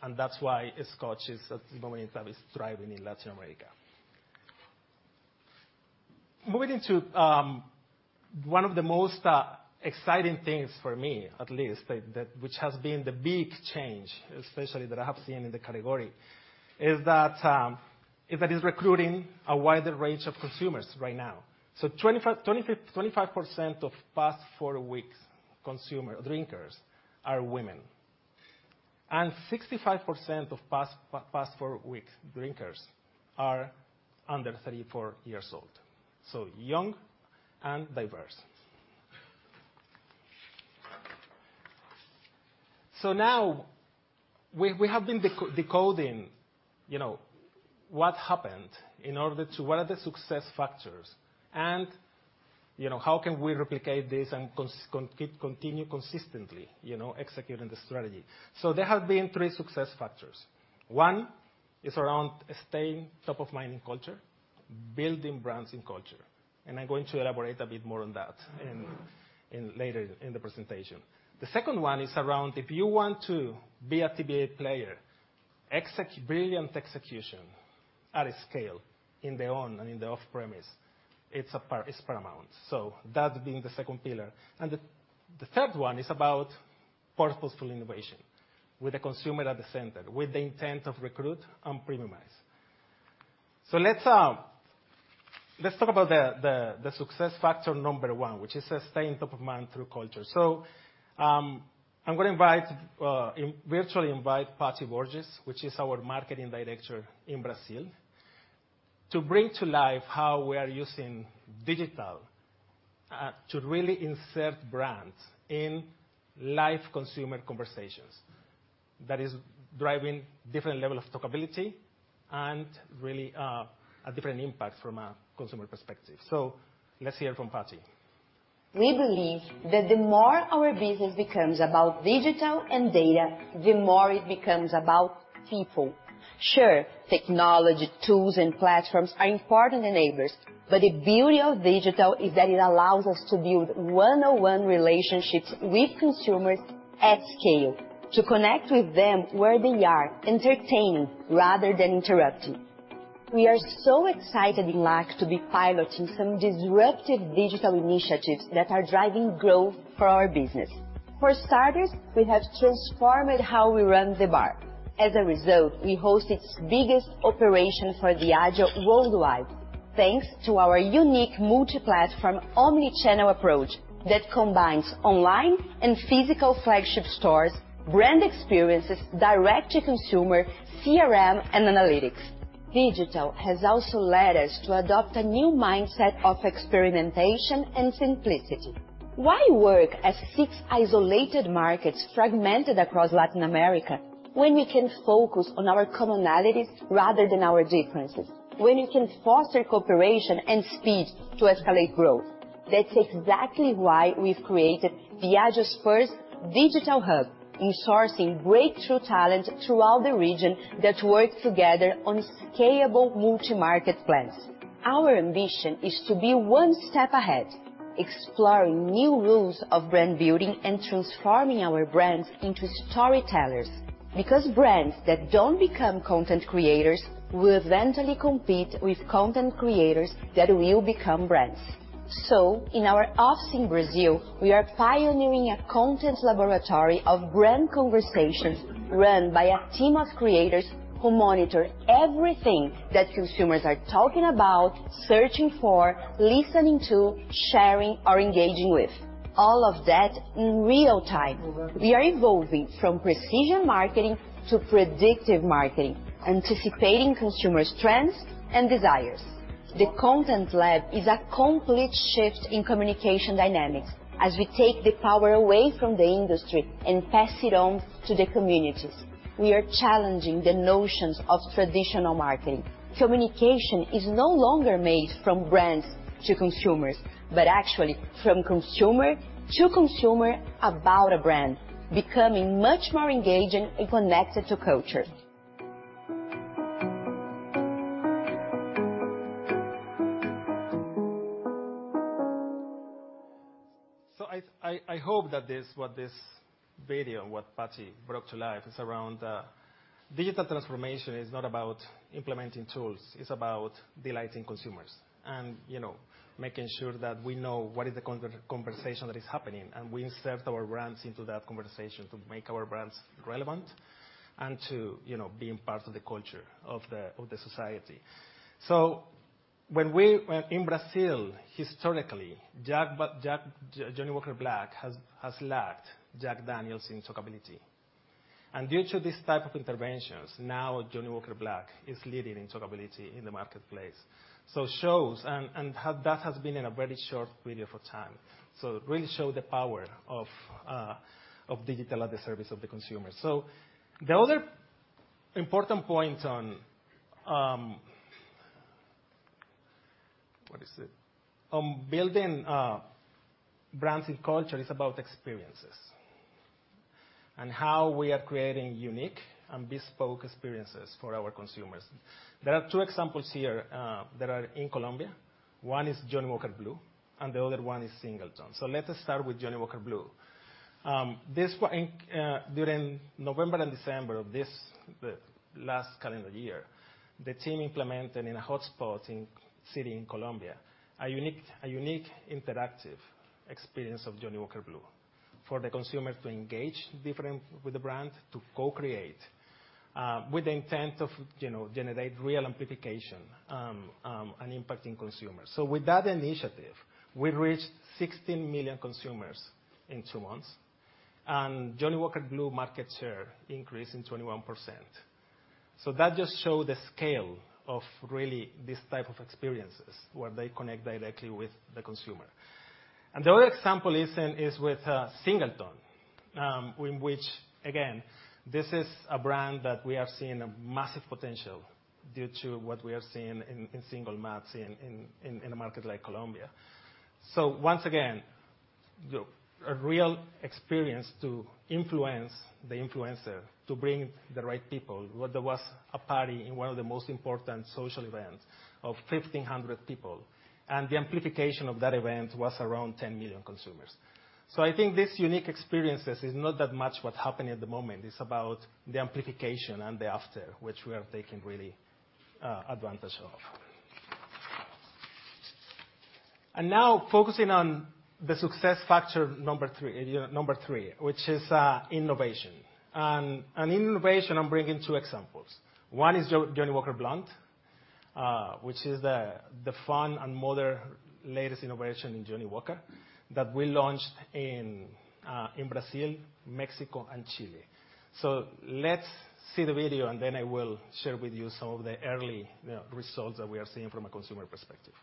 Speaker 3: and that's why a Scotch is a moment that is thriving in Latin America. Moving to one of the most exciting things for me at least, that which has been the big change, especially that I have seen in the category, is that it's recruiting a wider range of consumers right now. 25% of past four weeks consumer drinkers are women, and 65% of past four weeks drinkers are under 34 years old, so young and diverse. Now, we have been decoding, you know, what happened in order to... What are the success factors, and, you know, how can we replicate this and continue consistently, you know, executing the strategy? There have been 3 success factors. 1, is around staying top of mind in culture, building brands in culture, and I'm going to elaborate a bit more on that later in the presentation. The second one is around if you want to be a TBA player, brilliant execution at a scale in the on and in the off-premise, it's paramount, that being the second pillar. The third one is about purposeful innovation, with the consumer at the center, with the intent of recruit and premiumize. Let's talk about the success factor number one, which is staying top of mind through culture. I'm gonna virtually invite Patty Borges, which is our marketing director in Brazil, to bring to life how we are using digital to really insert brands in live consumer conversations that is driving different level of talkability and really a different impact from a consumer perspective. Let's hear from Patty.
Speaker 5: We believe that the more our business becomes about digital and data, the more it becomes about people. Sure, technology, tools, and platforms are important neighbors, but the beauty of digital is that it allows us to build one-on-one relationships with consumers at scale, to connect with them where they are, entertaining rather than interrupting. We are excited in LAC to be piloting some disruptive digital initiatives that are driving growth for our business. For starters, we have transformed how we run the bar. As a result, we host its biggest operation for Diageo worldwide, thanks to our unique multi-platform, omni-channel approach that combines online and physical flagship stores, brand experiences, direct-to-consumer, CRM, and analytics. Digital has also led us to adopt a new mindset of experimentation and simplicity. Why work as 6 isolated markets fragmented across Latin America, when we can focus on our commonalities rather than our differences? When we can foster cooperation and speed to escalate growth. That's exactly why we've created Diageo's first digital hub, in sourcing breakthrough talent throughout the region that work together on scalable multi-market plans. Our ambition is to be one step ahead, exploring new rules of brand building and transforming our brands into storytellers, because brands that don't become content creators will eventually compete with content creators that will become brands. In our office in Brazil, we are pioneering a content laboratory of brand conversations run by a team of creators who monitor everything that consumers are talking about, searching for, listening to, sharing, or engaging with, all of that in real time. We are evolving from precision marketing to predictive marketing, anticipating consumers' trends and desires. The content lab is a complete shift in communication dynamics, as we take the power away from the industry and pass it on to the communities. We are challenging the notions of traditional marketing. Communication is no longer made from brands to consumers, but actually from consumer to consumer about a brand, becoming much more engaging and connected to culture.
Speaker 3: I hope that this video, what Patty brought to life, is around digital transformation is not about implementing tools, it's about delighting consumers, and, you know, making sure that we know what is the conversation that is happening, and we insert our brands into that conversation to make our brands relevant and to, you know, being part of the culture of the society. When in Brazil, historically, Jack, Johnnie Walker Black has lagged Jack Daniel's in talkability. Due to this type of interventions, now Johnnie Walker Black is leading in talkability in the marketplace. It shows, and that has been in a very short period of time. It really show the power of digital at the service of the consumer. The other important point on, what is it? On building brands in culture is about experiences, and how we are creating unique and bespoke experiences for our consumers. There are two examples here that are in Colombia. One is Johnnie Walker Blue, and the other one is Singleton. Let us start with Johnnie Walker Blue. This one, during November and December of this, the last calendar year, the team implemented in a hotspot in city in Colombia, a unique interactive experience of Johnnie Walker Blue, for the consumer to engage different with the brand, to co-create, with the intent of, you know, generate real amplification, and impacting consumers. With that initiative, we reached 16 million consumers in 2 months, and Johnnie Walker Blue market share increased in 21%. That just show the scale of really this type of experiences, where they connect directly with the consumer. The other example is with Singleton, in which, again, this is a brand that we are seeing a massive potential due to what we are seeing in single malts in a market like Colombia. Once again, a real experience to influence the influencer, to bring the right people. Where there was a party in one of the most important social events of 1,500 people, and the amplification of that event was around 10 million consumers. I think this unique experiences is not that much what's happening at the moment, it's about the amplification and the after, which we are taking really advantage of. Now focusing on the success factor 3, area 3, which is innovation. In innovation, I'm bringing 2 examples. One is Johnnie Walker Blonde, which is the fun and modern latest innovation in Johnnie Walker that we launched in Brazil, Mexico, and Chile. Let's see the video, and then I will share with you some of the early results that we are seeing from a consumer perspective.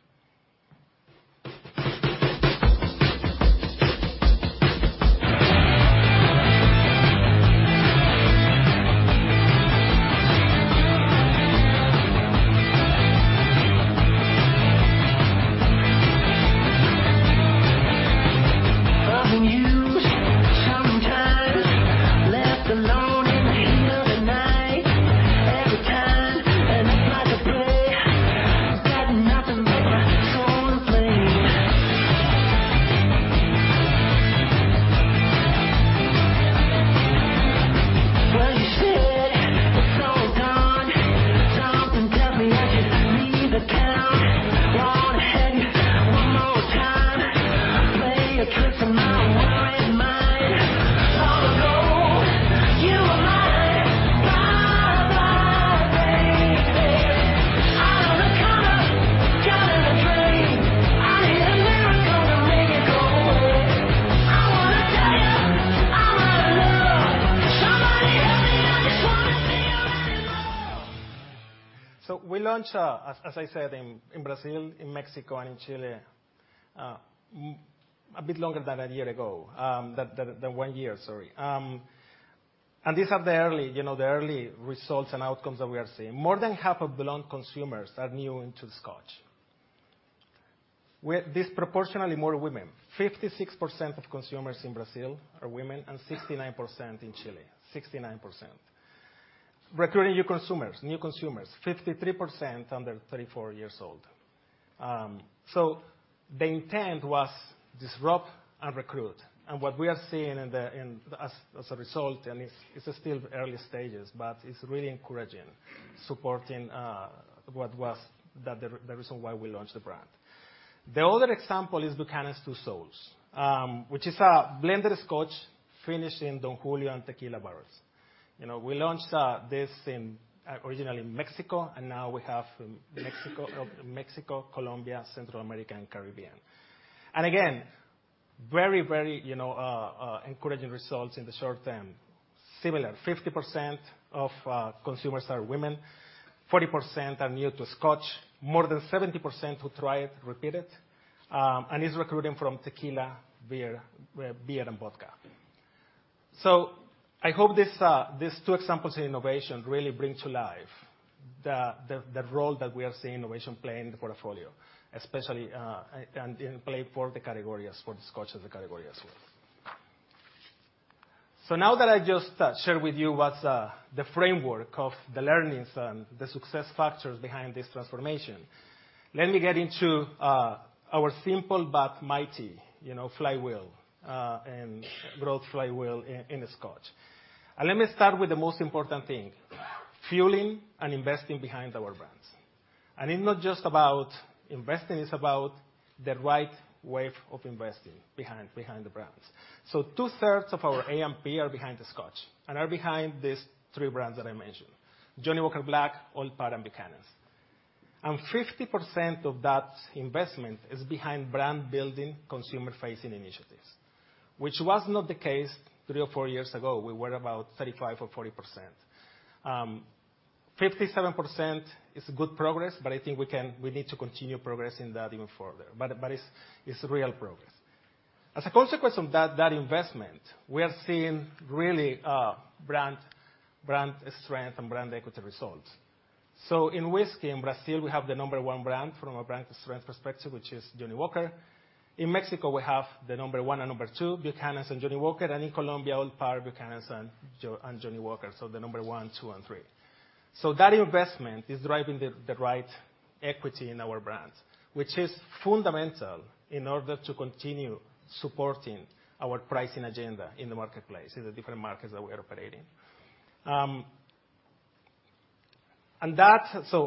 Speaker 3: We launched, as I said, in Brazil, in Mexico, and in Chile, a bit longer than 1 year ago, than 1 year, sorry. These are the early, you know, results and outcomes that we are seeing. More than half of the Blonde consumers are new into Scotch. With disproportionately more women. 56% of consumers in Brazil are women, and 69% in Chile. 69%. Recruiting new consumers, 53% under 34 years old. The intent was disrupt and recruit, and what we are seeing. As a result, and it's still early stages, but it's really encouraging, supporting what was the reason why we launched the brand. The other example is Buchanan's Two Souls, which is a blended Scotch finished in Don Julio and tequila barrels. You know, we launched this in originally in Mexico, and now we have Mexico, Colombia, Central America, and Caribbean. Again, very, you know, encouraging results in the short term. Similar, 50% of consumers are women, 40% are new to Scotch, more than 70% who try it, repeat it, and is recruiting from tequila, beer and vodka. I hope these two examples in innovation really bring to life the role that we are seeing innovation play in the portfolio, especially, and play for the categories, for the Scotch and the category as well. Now that I just shared with you what's the framework of the learnings and the success factors behind this transformation, let me get into our simple but mighty, you know, flywheel and growth flywheel in the Scotch. Let me start with the most important thing: fueling and investing behind our brands. It's not just about investing, it's about the right way of investing behind the brands. Two-thirds of our A&P are behind the Scotch and are behind these three brands that I mentioned, Johnnie Walker Black, Old Parr, and Buchanan's. 50% of that investment is behind brand-building, consumer-facing initiatives, which was not the case three or four years ago. We were about 35% or 40%. 57% is good progress, but I think we need to continue progressing that even further. It's real progress. As a consequence of that investment, we are seeing really, brand strength and brand equity results. In whiskey, in Brazil, we have the number one brand from a brand strength perspective, which is Johnnie Walker. In Mexico, we have the number one and number two, Buchanan's and Johnnie Walker, and in Colombia, Old Parr, Buchanan's and Johnnie Walker, so the number one, two, and three. That investment is driving the right equity in our brands, which is fundamental in order to continue supporting our pricing agenda in the marketplace, in the different markets that we are operating.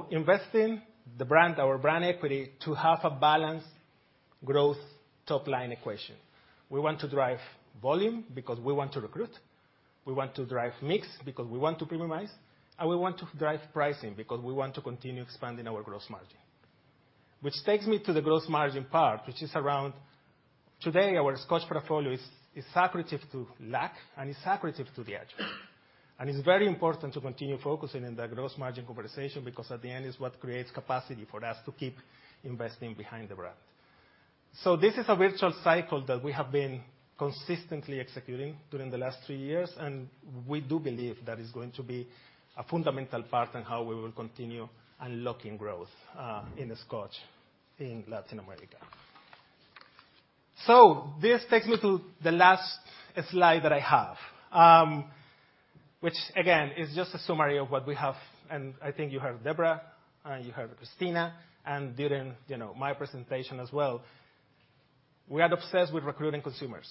Speaker 3: Investing the brand, our brand equity, to have a balanced growth top-line equation. We want to drive volume because we want to recruit, we want to drive mix because we want to premiumize, and we want to drive pricing because we want to continue expanding our growth margin. Which takes me to the growth margin part. Today, our Scotch portfolio is accretive to LAC, and is accretive to Diageo. It's very important to continue focusing in the growth margin conversation, because at the end, it's what creates capacity for us to keep investing behind the brand. This is a virtual cycle that we have been consistently executing during the last three years, and we do believe that it's going to be a fundamental part in how we will continue unlocking growth in the Scotch in Latin America. This takes me to the last slide that I have, which again, is just a summary of what we have, and I think you heard Debra, and you heard Cristina, and during, you know, my presentation as well. We are obsessed with recruiting consumers.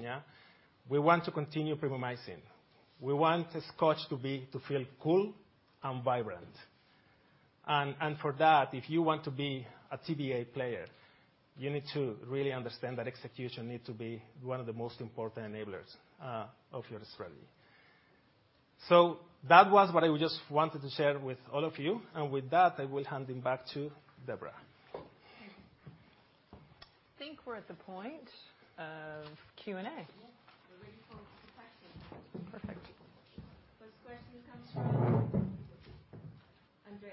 Speaker 3: Yeah? We want to continue premiumizing. We want Scotch to feel cool and vibrant. For that, if you want to be a TBA player, you need to really understand that execution need to be one of the most important enablers of your strategy. That was what I just wanted to share with all of you, and with that, I will hand it back to Debra.
Speaker 1: I think we're at the point of Q&A. We're ready for questions. Perfect. First question comes from Andrea.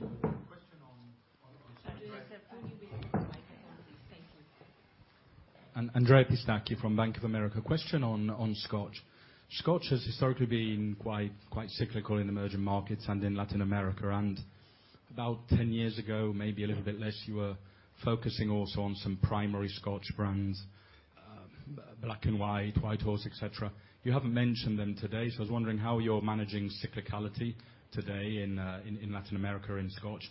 Speaker 6: Question on.
Speaker 1: Andrea, could you be the microphone, please? Thank you.
Speaker 6: Andrea Pistacchi from Bank of America. Question on Scotch. Scotch has historically been quite cyclical in emerging markets and in Latin America, and about 10 years ago, maybe a little bit less, you were focusing also on some primary Scotch brands, Black & White, White Horse, et cetera. You haven't mentioned them today, so I was wondering how you're managing cyclicality today in Latin America, in Scotch?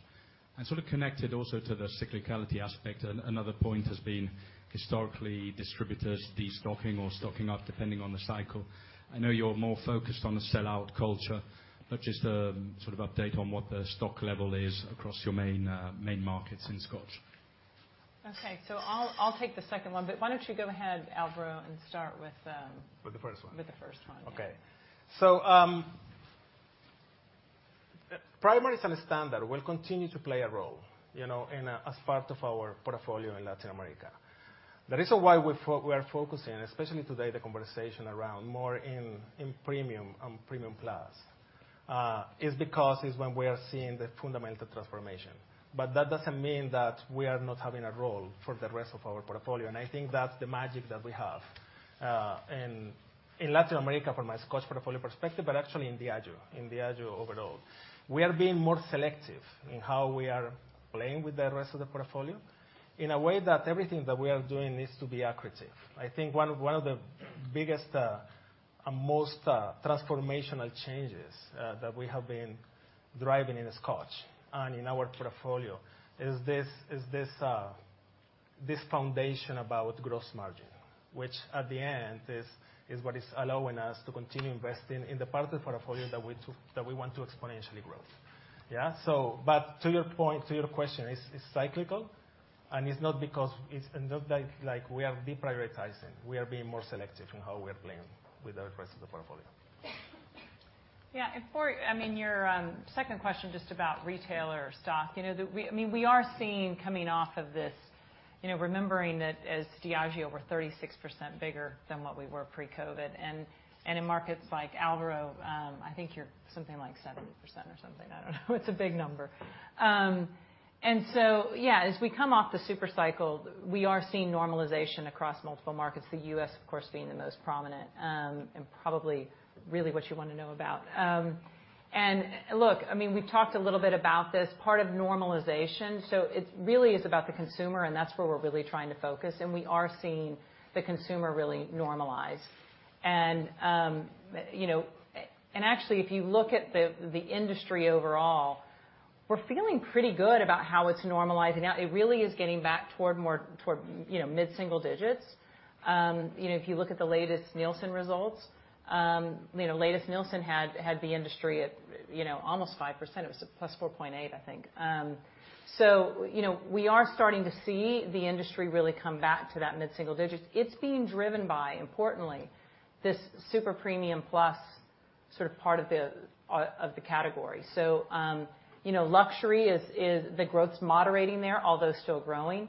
Speaker 6: Sort of connected also to the cyclicality aspect, another point has been historically, distributors destocking or stocking up, depending on the cycle. I know you're more focused on the sell-out culture, but just a sort of update on what the stock level is across your main markets in Scotch.
Speaker 1: Okay, I'll take the second one. Why don't you go ahead, Alvaro, and start with.
Speaker 3: With the first one.
Speaker 1: With the first one.
Speaker 3: primaries understand that will continue to play a role, you know, in, as part of our portfolio in Latin America. The reason why we are focusing, especially today, the conversation around more in premium and premium plus, is because it's when we are seeing the fundamental transformation. That doesn't mean that we are not having a role for the rest of our portfolio, and I think that's the magic that we have, in Latin America, from a Scotch portfolio perspective, but actually in Diageo, in Diageo overall. We are being more selective in how we are playing with the rest of the portfolio in a way that everything that we are doing needs to be accretive. I think one of the biggest, and most, transformational changes that we have been driving in Scotch and in our portfolio is this foundation about gross margin, which, at the end, is what is allowing us to continue investing in the part of the portfolio that we want to exponentially grow. Yeah, to your point, to your question, it's cyclical, and it's not because. It's not like we are deprioritizing. We are being more selective in how we are playing with the rest of the portfolio.
Speaker 1: Yeah, for, I mean, your second question, just about retailer stock, you know, the, we, I mean, we are seeing coming off of this, you know, remembering that as Diageo, we're 36% bigger than what we were pre-COVID, and in markets like Alvaro, I think you're something like 70% or something, I don't know. It's a big number. Yeah, as we come off the super cycle, we are seeing normalization across multiple markets, the U.S., of course, being the most prominent, and probably really what you want to know about. Look, I mean, we've talked a little bit about this, part of normalization, so it really is about the consumer, and that's where we're really trying to focus, and we are seeing the consumer really normalize. You know, and actually, if you look at the industry overall, we're feeling pretty good about how it's normalizing out. It really is getting back toward more, you know, mid-single digits. You know, if you look at the latest Nielsen results, you know, latest Nielsen had the industry at, you know, almost 5%. It was a +4.8%, I think. You know, we are starting to see the industry really come back to that mid-single digits. It's being driven by, importantly, this super premium plus sort of part of the category. You know, luxury is... The growth's moderating there, although still growing.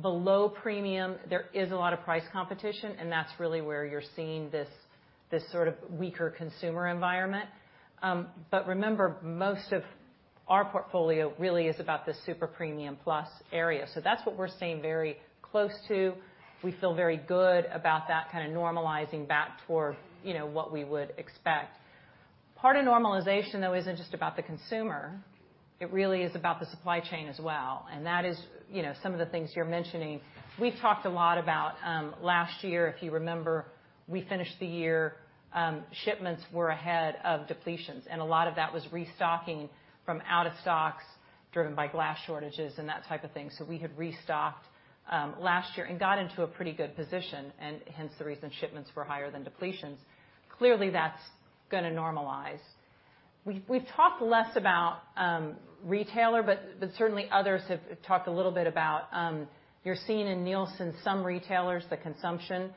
Speaker 1: Below premium, there is a lot of price competition, and that's really where you're seeing this sort of weaker consumer environment. Remember, most of our portfolio really is about the super premium plus area, so that's what we're staying very close to. We feel very good about that kind of normalizing back toward, you know, what we would expect. Part of normalization, though, isn't just about the consumer. It really is about the supply chain as well, and that is, you know, some of the things you're mentioning. We've talked a lot about last year, if you remember, we finished the year, shipments were ahead of depletions, and a lot of that was restocking from out of stocks driven by glass shortages and that type of thing. We had restocked last year and got into a pretty good position, and hence, the reason shipments were higher than depletions. Clearly, that's gonna normalize. We've talked less about retailer, but certainly, others have talked a little bit about you're seeing in Nielsen, some retailers, the consumption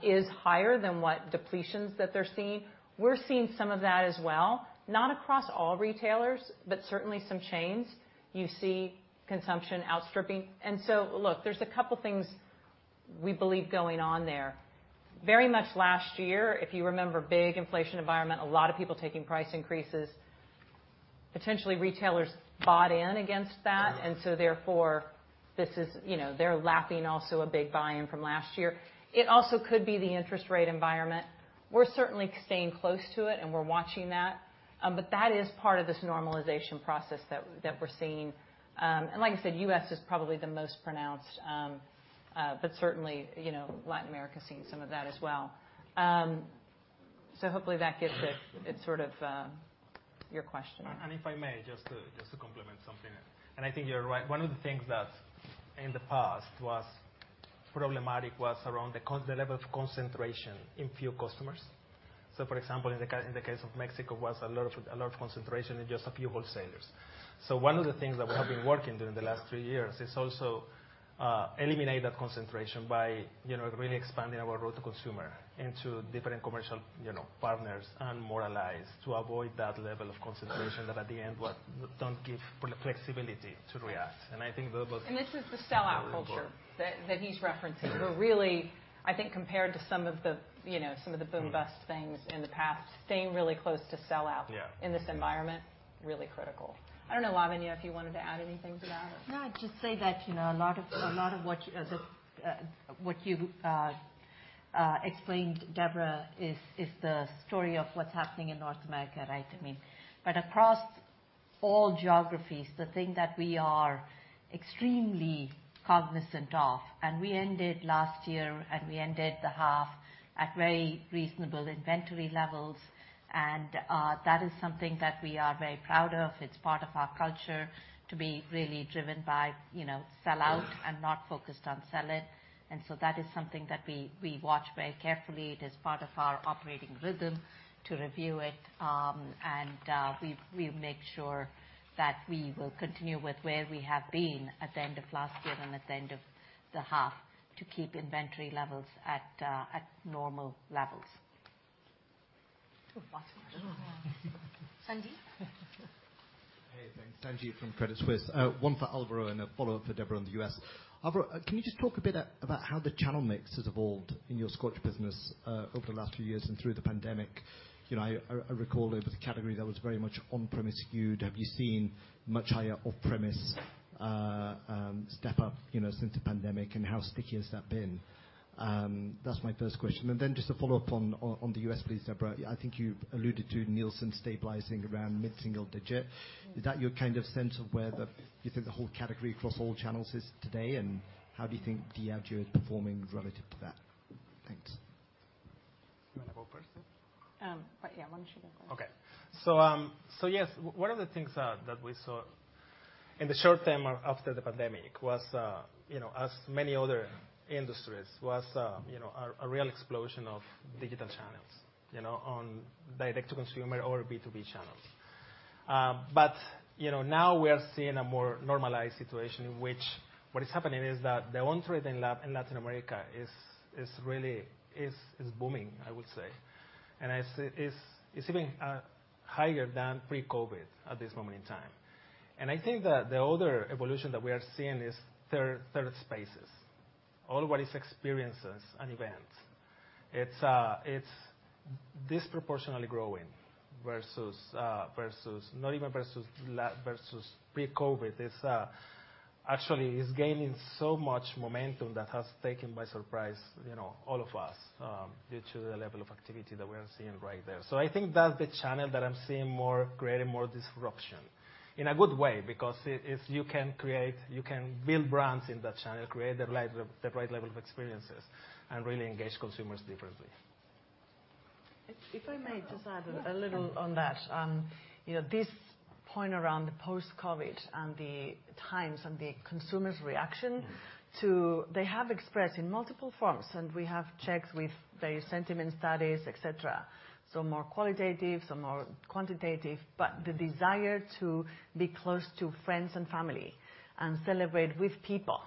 Speaker 1: is higher than what depletions that they're seeing. We're seeing some of that as well, not across all retailers, but certainly some chains, you see consumption outstripping. Look, there's a couple things we believe going on there. Very much last year, if you remember, big inflation environment, a lot of people taking price increases. Potentially, retailers bought in against that, and so therefore, you know, they're lapping also a big buy-in from last year. It also could be the interest rate environment. We're certainly staying close to it, and we're watching that, but that is part of this normalization process that we're seeing. Like I said, U.S. is probably the most pronounced, but certainly, you know, Latin America is seeing some of that as well. Hopefully that gets it sort of, your question.
Speaker 3: If I may, just to complement something, and I think you're right. One of the things that in the past was problematic was around the level of concentration in few customers. For example, in the case of Mexico, was a lot of concentration in just a few wholesalers. One of the things that we have been working during the last three years is also eliminate that concentration by, you know, really expanding our route to consumer into different commercial, you know, partners and more allies to avoid that level of concentration that, at the end, what don't give flexibility to react. I think that was-
Speaker 1: This is the sellout culture that he's referencing. We're really, I think, compared to some of the, you know, some of the boom bust things in the past, staying really close to sellout-
Speaker 3: Yeah
Speaker 1: in this environment, really critical. I don't know, Lavanya, if you wanted to add anything to that?
Speaker 7: Just say that, you know, a lot of, a lot of what you explained, Debra, is the story of what's happening in North America, right?...
Speaker 1: all geographies, the thing that we are extremely cognizant of, and we ended last year, and we ended the half at very reasonable inventory levels, and that is something that we are very proud of. It's part of our culture to be really driven by, you know, sell out and not focused on sell in. That is something that we watch very carefully. It is part of our operating rhythm to review it, and we make sure that we will continue with where we have been at the end of last year and at the end of the half to keep inventory levels at normal levels.
Speaker 2: Last question. Sanjiv?
Speaker 8: Hey, thanks. Sanjiv from Credit Suisse. One for Alvaro and a follow-up for Debra on the U.S. Alvaro, can you just talk a bit about how the channel mix has evolved in your Scotch business over the last few years and through the pandemic? You know, I recall it was a category that was very much on-premise skewed. Have you seen much higher off-premise step up, you know, since the pandemic, and how sticky has that been? That's my first question. Just a follow-up on the U.S., please, Debra. I think you've alluded to Nielsen stabilizing around mid-single digit. Is that your kind of sense of where you think the whole category across all channels is today, and how do you think Diageo is performing relative to that? Thanks.
Speaker 3: You want to go first?
Speaker 2: Yeah, why don't you go first?
Speaker 3: Okay. Yes, one of the things that we saw in the short term after the pandemic was, you know, as many other industries, was, you know, a real explosion of digital channels, you know, on direct to consumer or B2B channels. Now we are seeing a more normalized situation, in which what is happening is that the on-trade in Latin America is really booming, I would say. It's even higher than pre-COVID at this moment in time. I think that the other evolution that we are seeing is third spaces. All what is experiences and events. It's disproportionately growing versus not even versus pre-COVID. It's, actually, it's gaining so much momentum that has taken by surprise, you know, all of us, due to the level of activity that we are seeing right there. I think that's the channel that I'm seeing more, creating more disruption, in a good way, because it's you can create, you can build brands in that channel, create the right level of experiences and really engage consumers differently.
Speaker 2: If I may just add a little on that. You know, this point around the post-COVID and the times and the consumer's reaction to... They have expressed in multiple forms, we have checked with various sentiment studies, et cetera, some more qualitative, some more quantitative, but the desire to be close to friends and family and celebrate with people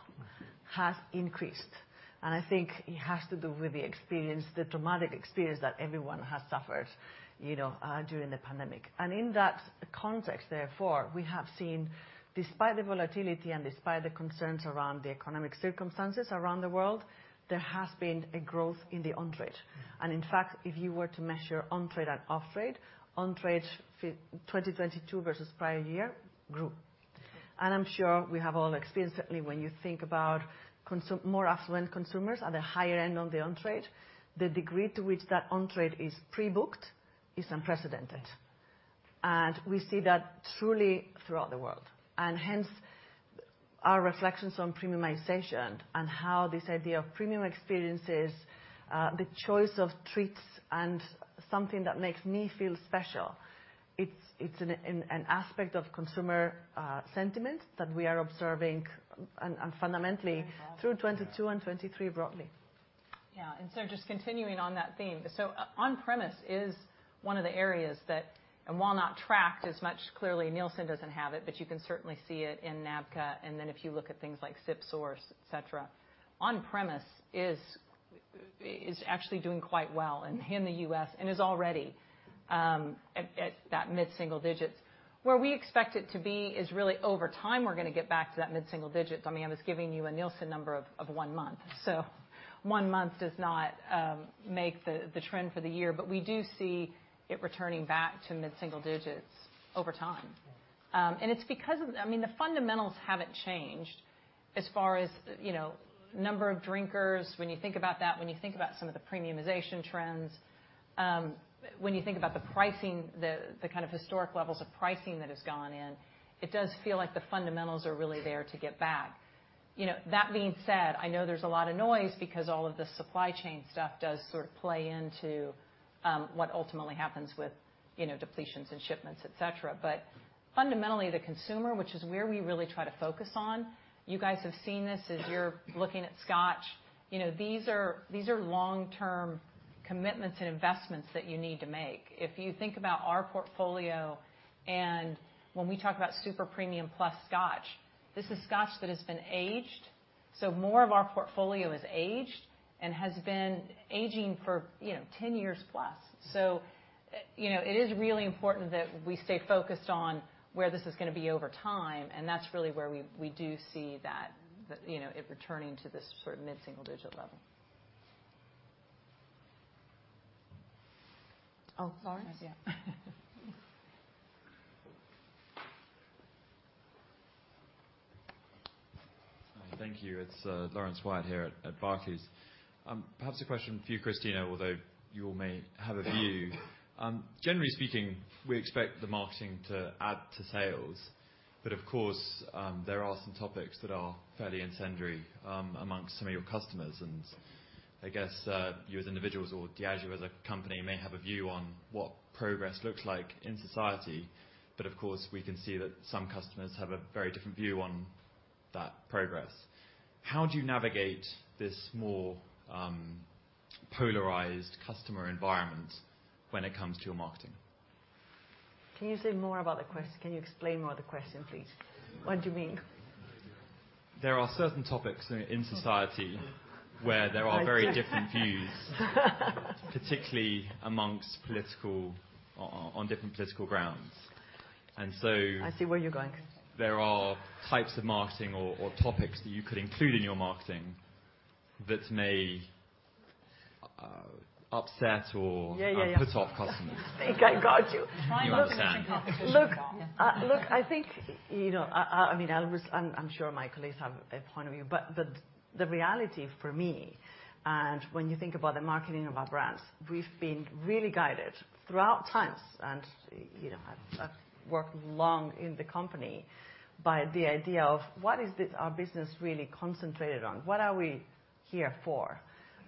Speaker 2: has increased, and I think it has to do with the experience, the traumatic experience that everyone has suffered, you know, during the pandemic. In that context, therefore, we have seen, despite the volatility and despite the concerns around the economic circumstances around the world, there has been a growth in the on-trade. In fact, if you were to measure on-trade and off-trade, on-trade 2022 versus prior year grew. I'm sure we have all experienced, certainly when you think about more affluent consumers at the higher end on the on-trade, the degree to which that on-trade is pre-booked is unprecedented. We see that truly throughout the world. Hence, our reflections on premiumization and how this idea of premium experiences, the choice of treats and something that makes me feel special, it's an aspect of consumer sentiment that we are observing and fundamentally through 2022 and 2023 broadly.
Speaker 1: Just continuing on that theme, so on-premise is one of the areas that, and while not tracked as much, clearly, Nielsen doesn't have it, but you can certainly see it in NABCA, and then if you look at things like SipSource, et cetera, on-premise is actually doing quite well in the U.S. and is already at that mid-single digits. Where we expect it to be is really over time, we're gonna get back to that mid-single digits. I mean, I was giving you a Nielsen number of one month, so one month does not make the trend for the year, but we do see it returning back to mid-single digits over time. And it's because of... I mean, the fundamentals haven't changed as far as, you know, number of drinkers, when you think about that, when you think about some of the premiumization trends, when you think about the pricing, the kind of historic levels of pricing that has gone in, it does feel like the fundamentals are really there to get back. You know, that being said, I know there's a lot of noise because all of the supply chain stuff does sort of play into what ultimately happens with, you know, depletions and shipments, et cetera. Fundamentally, the consumer, which is where we really try to focus on, you guys have seen this as you're looking at Scotch. You know, these are long-term commitments and investments that you need to make. If you think about our portfolio, and when we talk about super premium plus Scotch, this is Scotch that has been aged, so more of our portfolio is aged and has been aging for, you know, 10 years plus. You know, it is really important that we stay focused on where this is gonna be over time, and that's really where we do see that, the, you know, it returning to this sort of mid-single-digit level. Oh, Laurence? Yeah.
Speaker 9: Thank you. It's Laurence Whyatt here at Barclays. Perhaps a question for you, Cristina, although you all may have a view. Generally speaking, we expect the marketing to add to sales, but of course, there are some topics that are fairly incendiary amongst some of your customers, and I guess, you as individuals or Diageo as a company may have a view on what progress looks like in society. Of course, we can see that some customers have a very different view on that progress. How do you navigate this more polarized customer environment when it comes to your marketing?
Speaker 2: Can you explain more the question, please? What do you mean?
Speaker 9: There are certain topics in society.
Speaker 2: I see.
Speaker 9: Very different views, particularly amongst political on different political grounds.
Speaker 2: I see where you're going.
Speaker 9: There are types of marketing or topics that you could include in your marketing that may upset.
Speaker 2: Yeah, yeah.
Speaker 9: put off customers.
Speaker 2: I think I got you.
Speaker 1: Try and understand.
Speaker 9: You understand.
Speaker 2: Look-
Speaker 1: Yeah.
Speaker 2: Look, I think, you know, I mean, I'm sure my colleagues have a point of view, but the reality for me, and when you think about the marketing of our brands, we've been really guided throughout times, you know, I've worked long in the company, by the idea of what is it our business really concentrated on? What are we here for?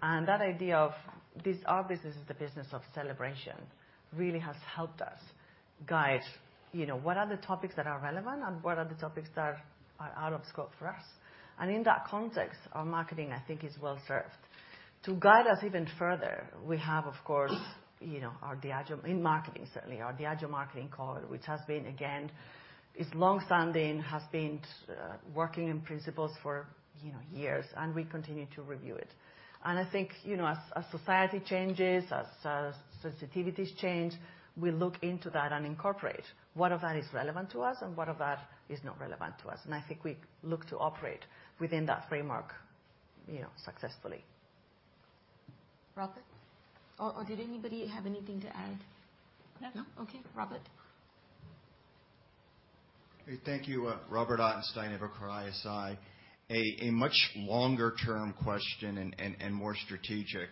Speaker 2: That idea of this, our business, is the business of celebration, really has helped us guide, you know, what are the topics that are relevant and what are the topics that are out of scope for us. In that context, our marketing, I think, is well served. To guide us even further, we have, of course, you know, our Diageo, in marketing certainly, our Diageo Marketing Code, which has been, again, is long-standing, has been working in principles for, you know, years, and we continue to review it. I think, you know, as society changes, as sensitivities change, we look into that and incorporate what of that is relevant to us and what of that is not relevant to us. I think we look to operate within that framework, you know, successfully. Robert? Did anybody have anything to add?
Speaker 1: No. No? Okay, Robert.
Speaker 10: Hey, thank you. Robert Ottenstein with ISI. A much longer term question and more strategic.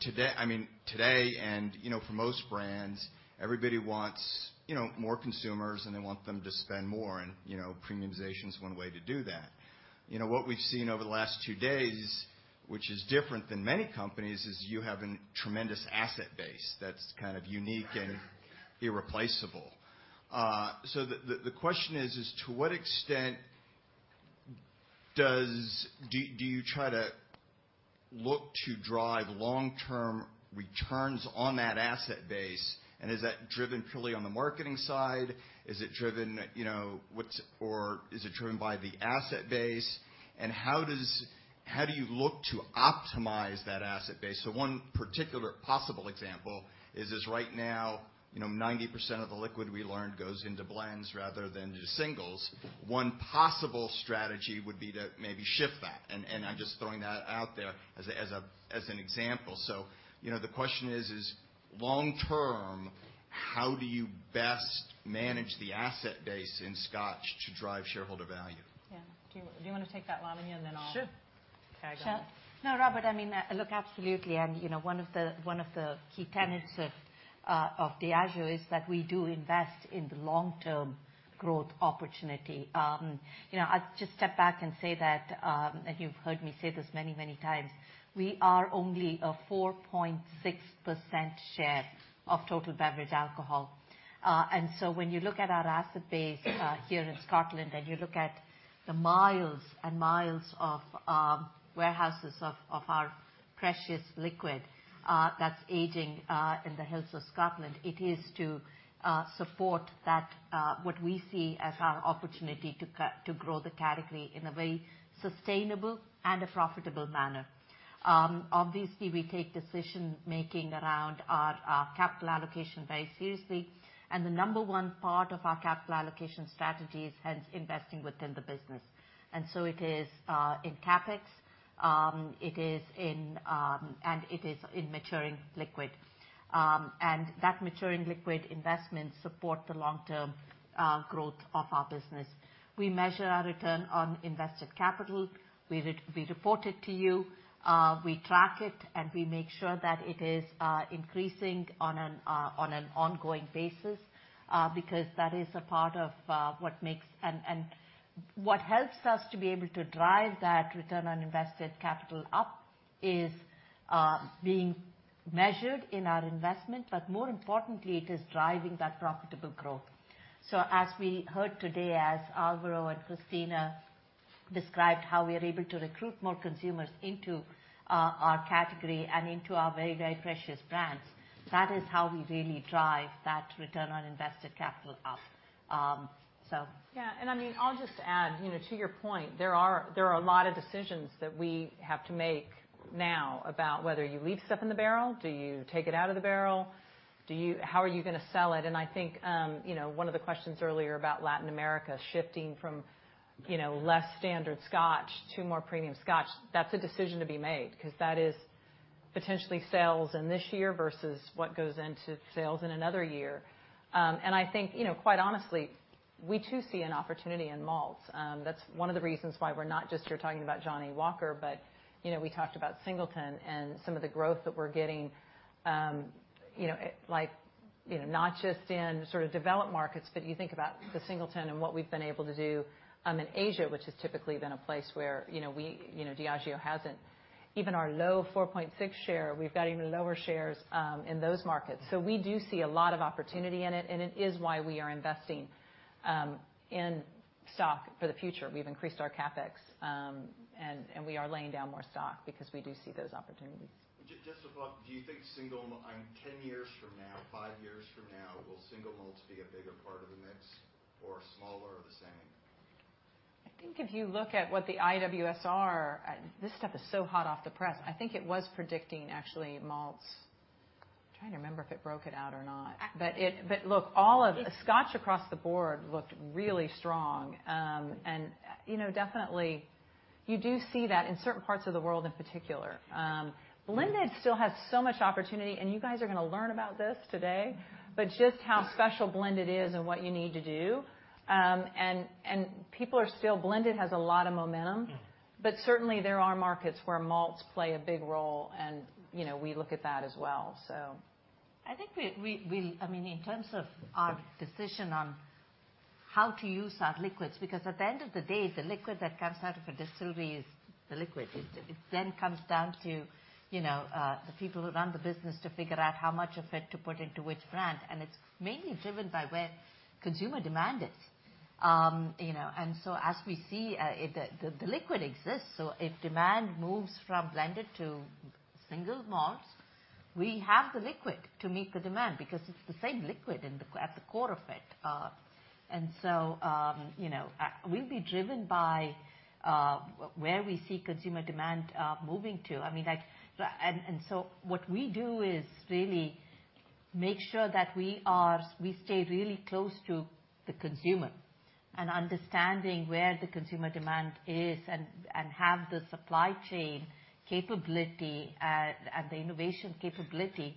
Speaker 10: Today, I mean, today, and, you know, for most brands, everybody wants, you know, more consumers, and they want them to spend more, and, you know, premiumization is one way to do that. You know, what we've seen over the last two days, which is different than many companies, is you have a tremendous asset base that's kind of unique and irreplaceable. So the question is, to what extent do you try to look to drive long-term returns on that asset base? Is that driven purely on the marketing side? Is it driven, you know? Or is it driven by the asset base? How do you look to optimize that asset base? One particular possible example is right now, you know, 90% of the liquid we learned goes into blends rather than just singles. One possible strategy would be to maybe shift that, and I'm just throwing that out there as an example. You know, the question is: Long term, how do you best manage the asset base in Scotch to drive shareholder value?
Speaker 1: Yeah. Do you want to take that, Lavanya, and then I'll.
Speaker 7: Sure.
Speaker 1: Carry on.
Speaker 7: No, Robert, I mean, look, absolutely, you know, one of the, one of the key tenets of Diageo is that we do invest in the long-term growth opportunity. You know, I'll just step back and say that, you've heard me say this many, many times, we are only a 4.6% share of total beverage alcohol. When you look at our asset base, here in Scotland, and you look at the miles and miles of warehouses of our precious liquid, that's aging in the hills of Scotland, it is to support that, what we see as our opportunity to grow the category in a very sustainable and a profitable manner. Obviously, we take decision-making around our capital allocation very seriously, and the number one part of our capital allocation strategy is, hence, investing within the business. It is in CapEx, it is in, and it is in maturing liquid. That maturing liquid investment support the long-term growth of our business. We measure our return on invested capital. We report it to you, we track it, and we make sure that it is increasing on an ongoing basis, because that is a part of what makes. What helps us to be able to drive that return on invested capital up is being measured in our investment, but more importantly, it is driving that profitable growth. As we heard today, as Alvaro and Cristina described how we are able to recruit more consumers into our category and into our very, very precious brands, that is how we really drive that return on invested capital up.
Speaker 1: I mean, I'll just add, you know, to your point, there are a lot of decisions that we have to make now about whether you leave stuff in the barrel. Do you take it out of the barrel? How are you going to sell it? I think, you know, one of the questions earlier about Latin America shifting from, you know, less standard Scotch to more premium Scotch, that's a decision to be made, 'cause that is potentially sales in this year versus what goes into sales in another year. I think, you know, quite honestly, we too see an opportunity in malts. That's one of the reasons why we're not just here talking about Johnnie Walker, but, you know, we talked about Singleton and some of the growth that we're getting, you know, like, you know, not just in sort of developed markets, but you think about Singleton and what we've been able to do, in Asia, which has typically been a place where, you know, we, you know, Diageo hasn't. Even our low 4.6% share, we've got even lower shares in those markets. We do see a lot of opportunity in it, and it is why we are investing in stock for the future. We've increased our CapEx, and we are laying down more stock because we do see those opportunities.
Speaker 10: Just to follow up, do you think 10 years from now, five years from now, will single malts be a bigger part of the mix or smaller or the same?
Speaker 1: I think if you look at what the IWSR, this stuff is so hot off the press. I think it was predicting actually malts. I'm trying to remember if it broke it out or not. Look, all of, Scotch across the board looked really strong. You know, definitely you do see that in certain parts of the world in particular. Blended still has so much opportunity, and you guys are going to learn about this today, but just how special blended is and what you need to do. People are still, blended has a lot of momentum.
Speaker 10: Mm.
Speaker 1: Certainly, there are markets where malts play a big role, and, you know, we look at that as well.
Speaker 7: I think we, I mean, in terms of our decision on how to use our liquids, because at the end of the day, the liquid that comes out of a distillery is the liquid.
Speaker 10: Mm-hmm.
Speaker 7: It then comes down to, you know, the people who run the business to figure out how much of it to put into which brand, it's mainly driven by where consumer demand is. You know, as we see, the liquid exists, so if demand moves from blended to single malts, we have the liquid to meet the demand because it's the same liquid at the core of it. You know, we'll be driven by where we see consumer demand moving to. I mean, like, and so what we do is really make sure that we stay really close to the consumer and understanding where the consumer demand is and have the supply chain capability and the innovation capability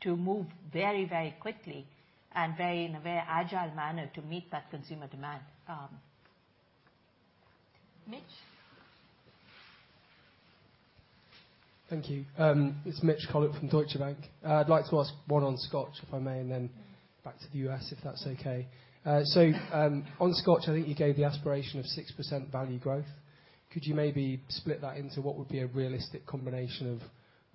Speaker 7: to move very, very quickly in a very agile manner to meet that consumer demand.
Speaker 1: Mitch?
Speaker 11: Thank you. It's Mitch Collett from Deutsche Bank. I'd like to ask one on Scotch, if I may, and then back to the US, if that's okay. On Scotch, I think you gave the aspiration of 6% value growth. Could you maybe split that into what would be a realistic combination of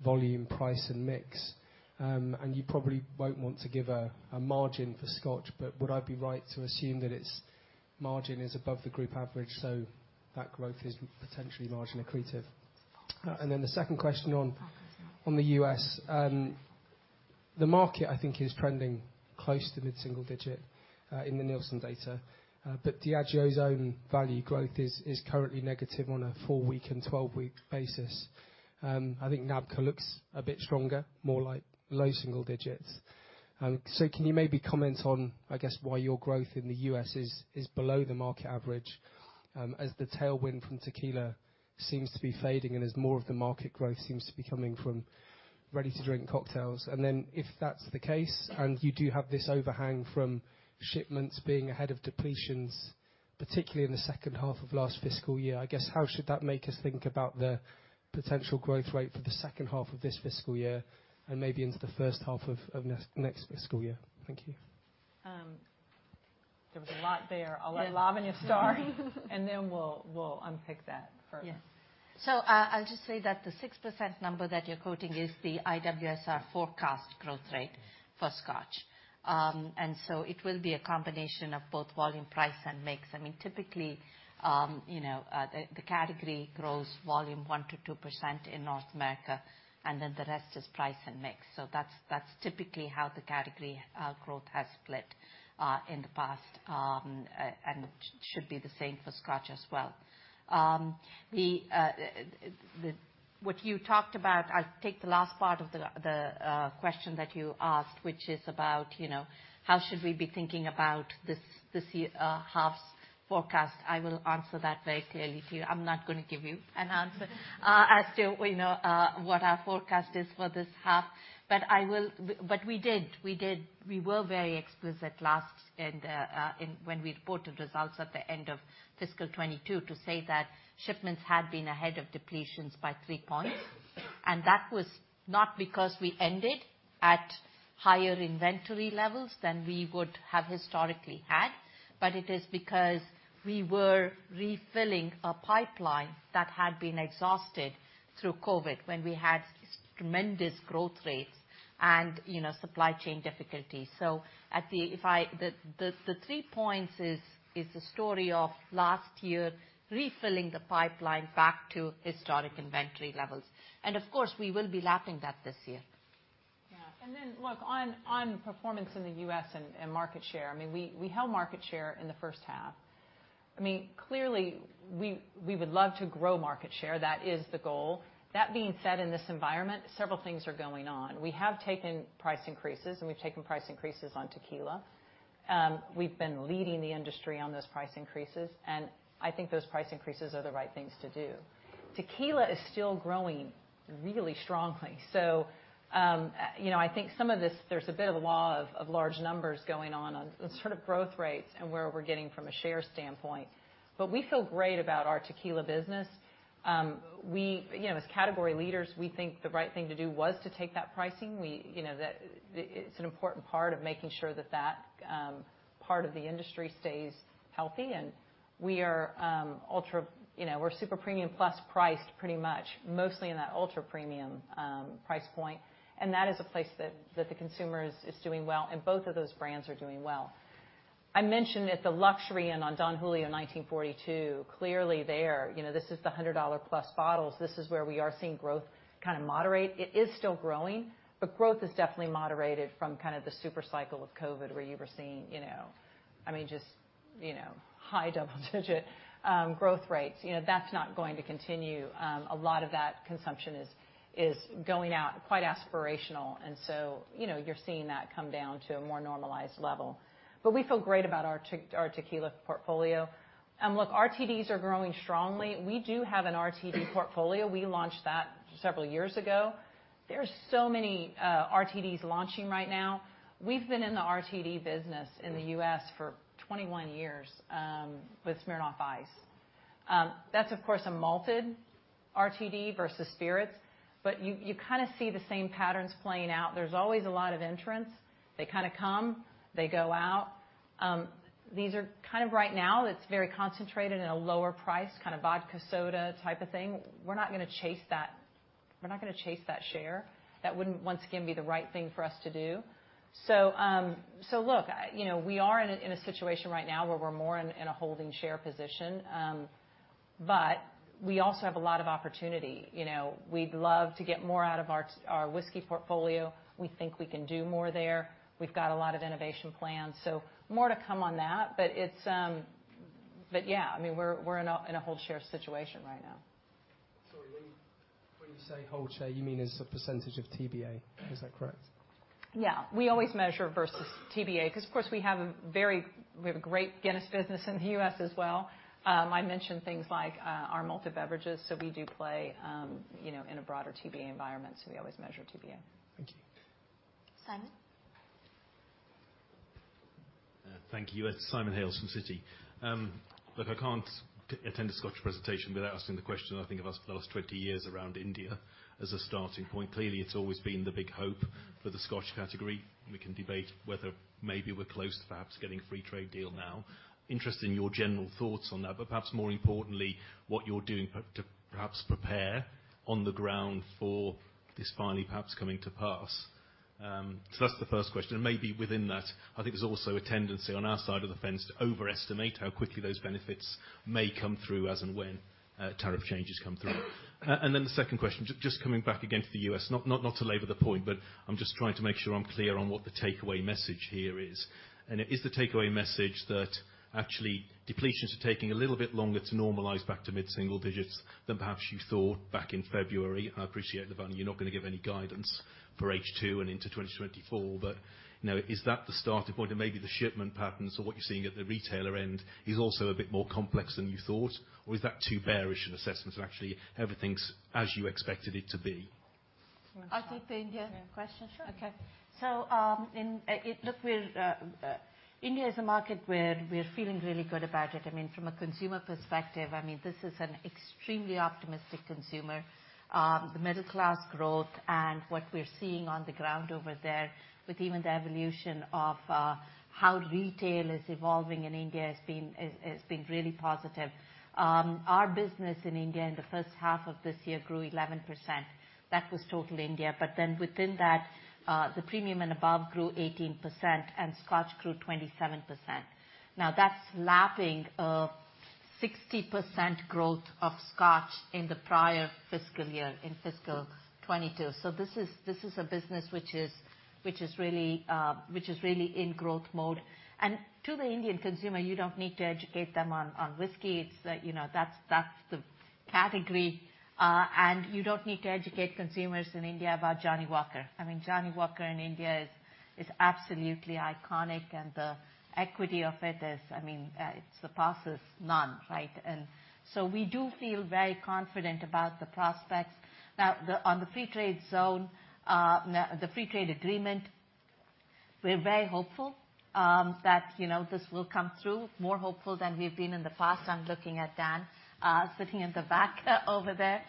Speaker 11: volume, price, and mix? You probably won't want to give a margin for Scotch, but would I be right to assume that its margin is above the group average, so that growth is potentially margin accretive? The second question on the US. The market, I think, is trending close to mid-single digit in the Nielsen data, but Diageo's own value growth is currently negative on a four-week and 12-week basis. I think NABCA looks a bit stronger, more like low single digits. Can you maybe comment on, I guess, why your growth in the US is below the market average, as the tailwind from tequila seems to be fading and as more of the market growth seems to be coming from ready-to-drink cocktails? If that's the case, and you do have this overhang from shipments being ahead of depletions, particularly in the second half of last fiscal year, I guess, how should that make us think about the potential growth rate for the second half of this fiscal year and maybe into the first half of next fiscal year? Thank you.
Speaker 1: There was a lot there.
Speaker 7: Yeah.
Speaker 1: I'll let Lavanya start, and then we'll unpick that first.
Speaker 7: Yes. I'll just say that the 6% number that you're quoting is the IWSR forecast growth rate for Scotch. It will be a combination of both volume, price, and mix. I mean, typically, you know, the category grows volume 1%-2% in North America, and then the rest is price and mix. That's, that's typically how the category growth has split in the past and should be the same for Scotch as well. The, what you talked about, I'll take the last part of the question that you asked, which is about, you know, how should we be thinking about this year, half's forecast? I will answer that very clearly to you. I'm not going to give you an answer as to, you know, what our forecast is for this half. We did, we were very explicit last, in when we reported results at the end of fiscal 2022 to say that shipments had been ahead of depletions by three points. That was not because we ended at higher inventory levels than we would have historically had, but it is because we were refilling a pipeline that had been exhausted through Covid, when we had tremendous growth rates and, you know, supply chain difficulties. The 3 points is the story of last year, refilling the pipeline back to historic inventory levels. Of course, we will be lapping that this year.
Speaker 1: Yeah. Look, on performance in the US and market share, I mean, we held market share in the first half. I mean, clearly, we would love to grow market share. That is the goal. That being said, in this environment, several things are going on. We have taken price increases, we've taken price increases on tequila. We've been leading the industry on those price increases, I think those price increases are the right things to do. Tequila is still growing really strongly. You know, I think some of this, there's a bit of a law of large numbers going on the sort of growth rates and where we're getting from a share standpoint, but we feel great about our tequila business. We, you know, as category leaders, we think the right thing to do was to take that pricing. It's an important part of making sure that part of the industry stays healthy, and we are, you know, super premium plus priced pretty much, mostly in that ultra-premium price point, and that is a place that the consumer is doing well, and both of those brands are doing well. I mentioned at the luxury end on Don Julio 1942, clearly there, you know, this is the $100 plus bottles. This is where we are seeing growth kind of moderate. It is still growing, but growth is definitely moderated from kind of the super cycle of COVID, where you were seeing, you know, I mean, just, you know, high double-digit growth rates. You know, that's not going to continue. A lot of that consumption is going out quite aspirational. You know, you're seeing that come down to a more normalized level. We feel great about our tequila portfolio. Look, RTDs are growing strongly. We do have an RTD portfolio. We launched that several years ago. There are so many RTDs launching right now. We've been in the RTD business in the US for 21 years, with Smirnoff Ice. That's of course, a malted RTD versus spirits, but you kind of see the same patterns playing out. There's always a lot of entrants. They kind of come, they go out. These are kind of right now, it's very concentrated in a lower price, kind of vodka soda type of thing. We're not gonna chase that. We're not gonna chase that share. That wouldn't, once again, be the right thing for us to do. Look, you know, we are in a, in a situation right now where we're more in a holding share position, but we also have a lot of opportunity. You know, we'd love to get more out of our whiskey portfolio. We think we can do more there. We've got a lot of innovation planned, so more to come on that, but it's... Yeah, I mean, we're in a, in a whole share situation right now.
Speaker 11: Sorry, when you say whole share, you mean as a % of TBA, is that correct?
Speaker 1: We always measure versus TBA, 'cause of course, we have a great Guinness business in the U.S. as well. I mentioned things like, our malted beverages, so we do play, you know, in a broader TBA environment, so we always measure TBA.
Speaker 11: Thank you.
Speaker 7: Simon?
Speaker 12: Thank you. Simon Hales from Citi. Look, I can't attend a Scottish presentation without asking the question, I think of us for the last 20 years around India as a starting point. Clearly, it's always been the big hope for the Scotch category. We can debate whether maybe we're close to perhaps getting a free trade deal now. Interested in your general thoughts on that, but perhaps more importantly, what you're doing to perhaps prepare on the ground for this finally perhaps coming to pass. That's the first question. Maybe within that, I think there's also a tendency on our side of the fence to overestimate how quickly those benefits may come through as and when tariff changes come through. Then the second question, just coming back again to the U.S., not to labor the point, but I'm just trying to make sure I'm clear on what the takeaway message here is. It is the takeaway message that actually depletions are taking a little bit longer to normalize back to mid-single digits than perhaps you thought back in February. I appreciate the value. You're not going to give any guidance for H2 and into 2024, but, you know, is that the starting point? Maybe the shipment patterns or what you're seeing at the retailer end is also a bit more complex than you thought. Is that too bearish an assessment, and actually, everything's as you expected it to be?
Speaker 7: I'll take the India-.
Speaker 1: Yeah.
Speaker 7: Question, sure.
Speaker 1: Okay.
Speaker 7: In, look, we're India is a market where we're feeling really good about it. I mean, from a consumer perspective, I mean, this is an extremely optimistic consumer. The middle-class growth and what we're seeing on the ground over there, with even the evolution of how retail is evolving in India has been, is being really positive. Our business in India in the first half of this year grew 11%. That was total India, within that, the premium and above grew 18%, and Scotch grew 27%. That's lapping a 60% growth of Scotch in the prior fiscal year, in fiscal 2022. This is a business which is really in growth mode. To the Indian consumer, you don't need to educate them on whiskey. It's, you know, that's the category, and you don't need to educate consumers in India about Johnnie Walker. I mean, Johnnie Walker in India is absolutely iconic, and the equity of it is, I mean, it surpasses none, right? So we do feel very confident about the prospects. On the free trade zone, the free trade agreement, we're very hopeful that, you know, this will come through, more hopeful than we've been in the past. I'm looking at Dan, sitting in the back over there.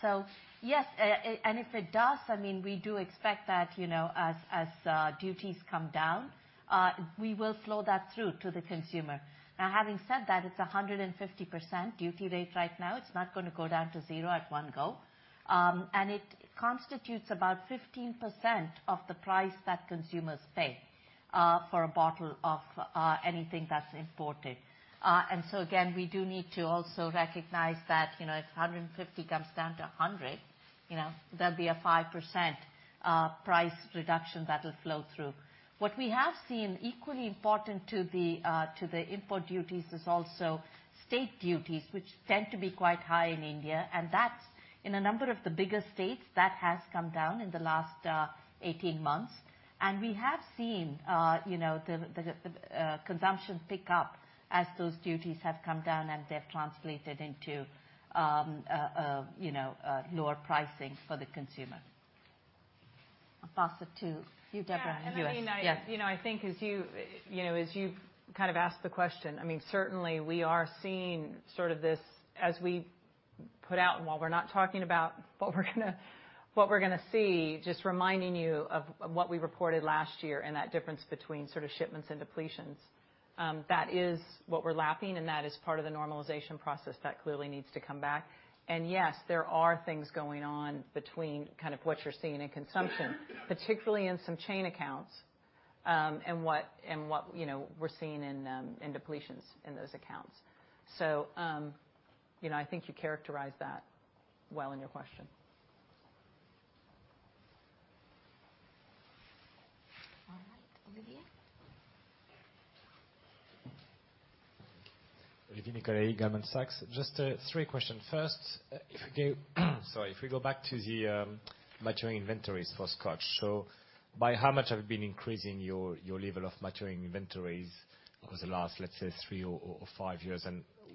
Speaker 7: So yes, if it does, I mean, we do expect that, you know, as duties come down, we will flow that through to the consumer. Having said that, it's a 150% duty rate right now. It's not gonna go down to 0 at 1 go. It constitutes about 15% of the price that consumers pay for a bottle of anything that's imported. Again, we do need to also recognize that, you know, if 150 comes down, you know, there'll be a 5% price reduction that'll flow through. What we have seen, equally important to the import duties, is also state duties, which tend to be quite high in India, and that's in a number of the bigger states, that has come down in the last 18 months. We have seen, you know, the, consumption pick up as those duties have come down, and they've translated into, you know, lower pricing for the consumer. I'll pass it to you, Debra, and you, yes.
Speaker 1: Yeah, and I mean, I, you know, I think as you know, as you've kind of asked the question, I mean, certainly we are seeing sort of this as we put out, and while we're not talking about what we're gonna see, just reminding you of what we reported last year and that difference between sort of shipments and depletions. That is what we're lapping, and that is part of the normalization process that clearly needs to come back. Yes, there are things going on between kind of what you're seeing in consumption, particularly in some chain accounts, and what, you know, we're seeing in depletions in those accounts. You know, I think you characterized that well in your question.
Speaker 7: All right, Olivier?
Speaker 13: Olivier Nicolaï, Goldman Sachs. Just three questions. First, if we go back to the maturing inventories for Scotch. By how much have you been increasing your level of maturing inventories over the last, let's say, three or five years?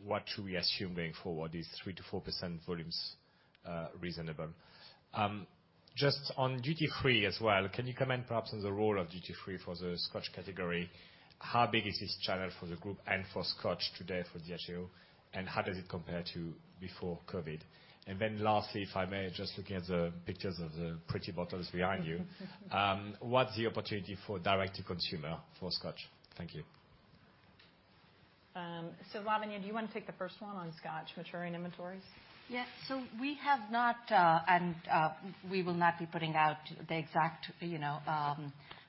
Speaker 13: What should we assume going forward, is 3% to 4% volumes reasonable? Just on duty-free as well, can you comment perhaps on the role of duty-free for the Scotch category? How big is this channel for the group and for Scotch today for Diageo, and how does it compare to before COVID? Lastly, if I may, just looking at the pictures of the pretty bottles behind you, what's the opportunity for direct-to-consumer for Scotch? Thank you.
Speaker 1: Lavanya, do you want to take the first one on Scotch, maturing inventories?
Speaker 7: Yeah, we have not, and we will not be putting out the exact, you know,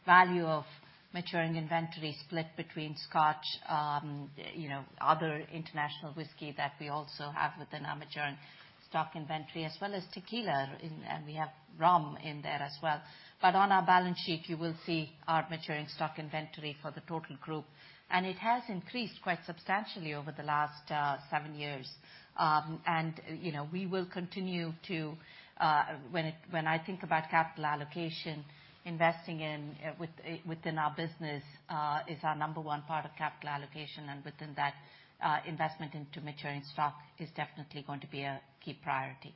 Speaker 7: value of maturing inventory split between Scotch, you know, other international whiskey that we also have within our maturing stock inventory, as well as tequila, and we have rum in there as well. On our balance sheet, you will see our maturing stock inventory for the total group, and it has increased quite substantially over the last seven years. You know, we will continue to, when I think about capital allocation, investing in within our business, is our number one part of capital allocation, and within that, investment into maturing stock is definitely going to be a key priority.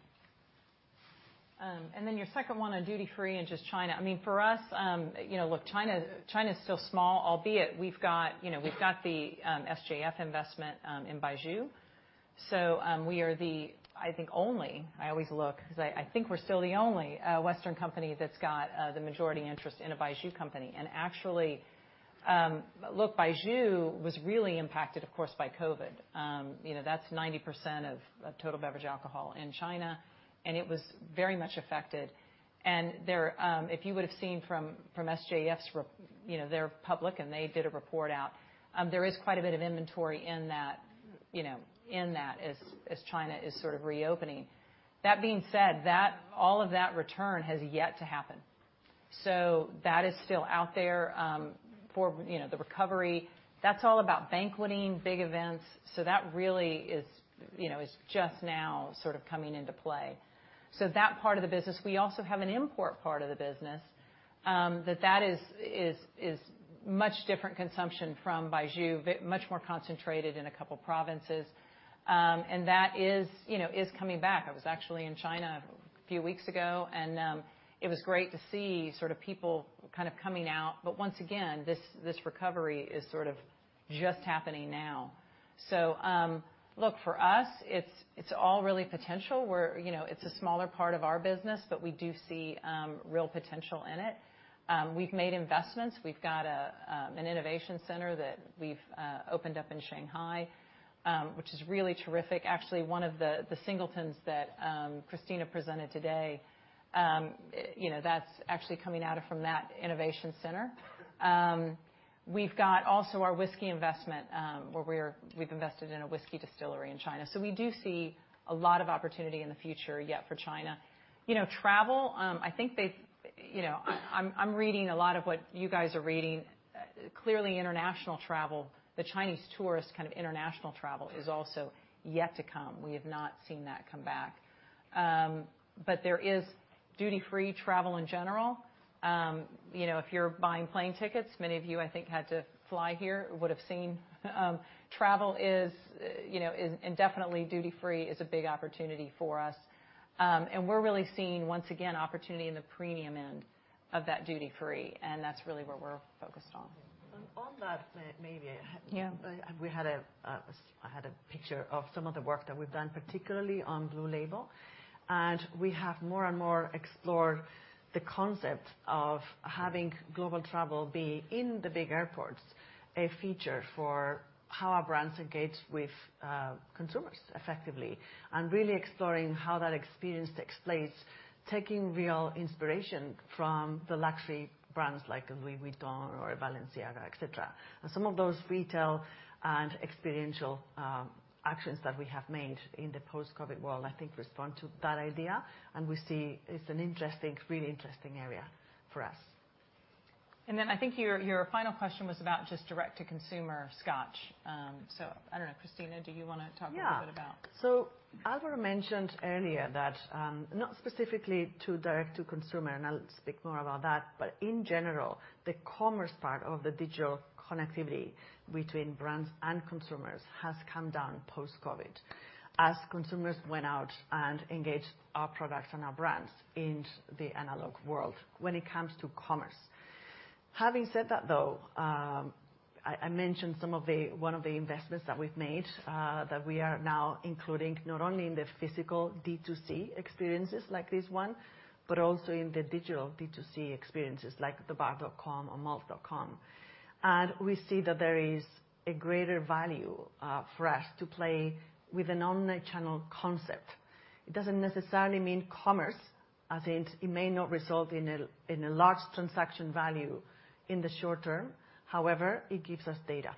Speaker 1: Your second one on duty-free and just China. I mean, for us, you know, look, China's still small, albeit, we've got, you know, we've got the SJF investment in baijiu. We are the, I think, only, I always look, because I think we're still the only Western company that's got the majority interest in a baijiu company. Actually, look, baijiu was really impacted, of course, by COVID. You know, that's 90% of total beverage alcohol in China, and it was very much affected. There, if you would've seen from SJF's you know, they're public, and they did a report out, there is quite a bit of inventory in that, you know, in that as China is sort of reopening. That being said, all of that return has yet to happen, so that is still out there, for, you know, the recovery. That's all about banqueting, big events, that really is, you know, just now sort of coming into play, that part of the business. We also have an import part of the business, that is much different consumption from baijiu, but much more concentrated in a couple provinces. That is, you know, coming back. I was actually in China a few weeks ago, it was great to see sort of people kind of coming out. Once again, this recovery is sort of just happening now. Look, for us, it's all really potential. We're, you know, it's a smaller part of our business, but we do see real potential in it. We've made investments. We've got an innovation center that we've opened up in Shanghai, which is really terrific. Actually, one of the Singletons that Cristina presented today, you know, that's actually coming out of from that innovation center. We've got also our whiskey investment, where we've invested in a whiskey distillery in China. We do see a lot of opportunity in the future yet for China. You know, travel. You know, I'm reading a lot of what you guys are reading. Clearly, international travel, the Chinese tourist, kind of international travel is also yet to come. We have not seen that come back. There is duty-free travel in general. You know, if you're buying plane tickets, many of you, I think, had to fly here, would've seen, travel is, you know, is, definitely duty-free is a big opportunity for us. We're really seeing, once again, opportunity in the premium end of that duty-free, and that's really where we're focused on.
Speaker 2: On that, maybe.
Speaker 1: Yeah.
Speaker 2: we had a, I had a picture of some of the work that we've done, particularly on Blue Label, and we have more and more explored the concept of having global travel be in the big airports, a feature for how our brands engage with, consumers effectively, and really exploring how that experience takes place, taking real inspiration from the luxury brands like Louis Vuitton or Balenciaga, et cetera. Some of those retail and experiential, actions that we have made in the post-COVID world, I think, respond to that idea, and we see it's an interesting, really interesting area for us.
Speaker 1: I think your final question was about just direct-to-consumer Scotch. I don't know, Cristina, do you want to talk a little bit about?
Speaker 2: Alvaro mentioned earlier that, not specifically to direct-to-consumer, and I'll speak more about that, but in general, the commerce part of the digital connectivity between brands and consumers has come down post-COVID, as consumers went out and engaged our products and our brands in the analog world when it comes to commerce. Having said that, though, I mentioned one of the investments that we've made, that we are now including not only in the physical D2C experiences like this one, but also in the digital D2C experiences like thebar.com or malts.com. We see that there is a greater value for us to play with an omnichannel concept. It doesn't necessarily mean commerce, as in it may not result in a large transaction value in the short term. However, it gives us data.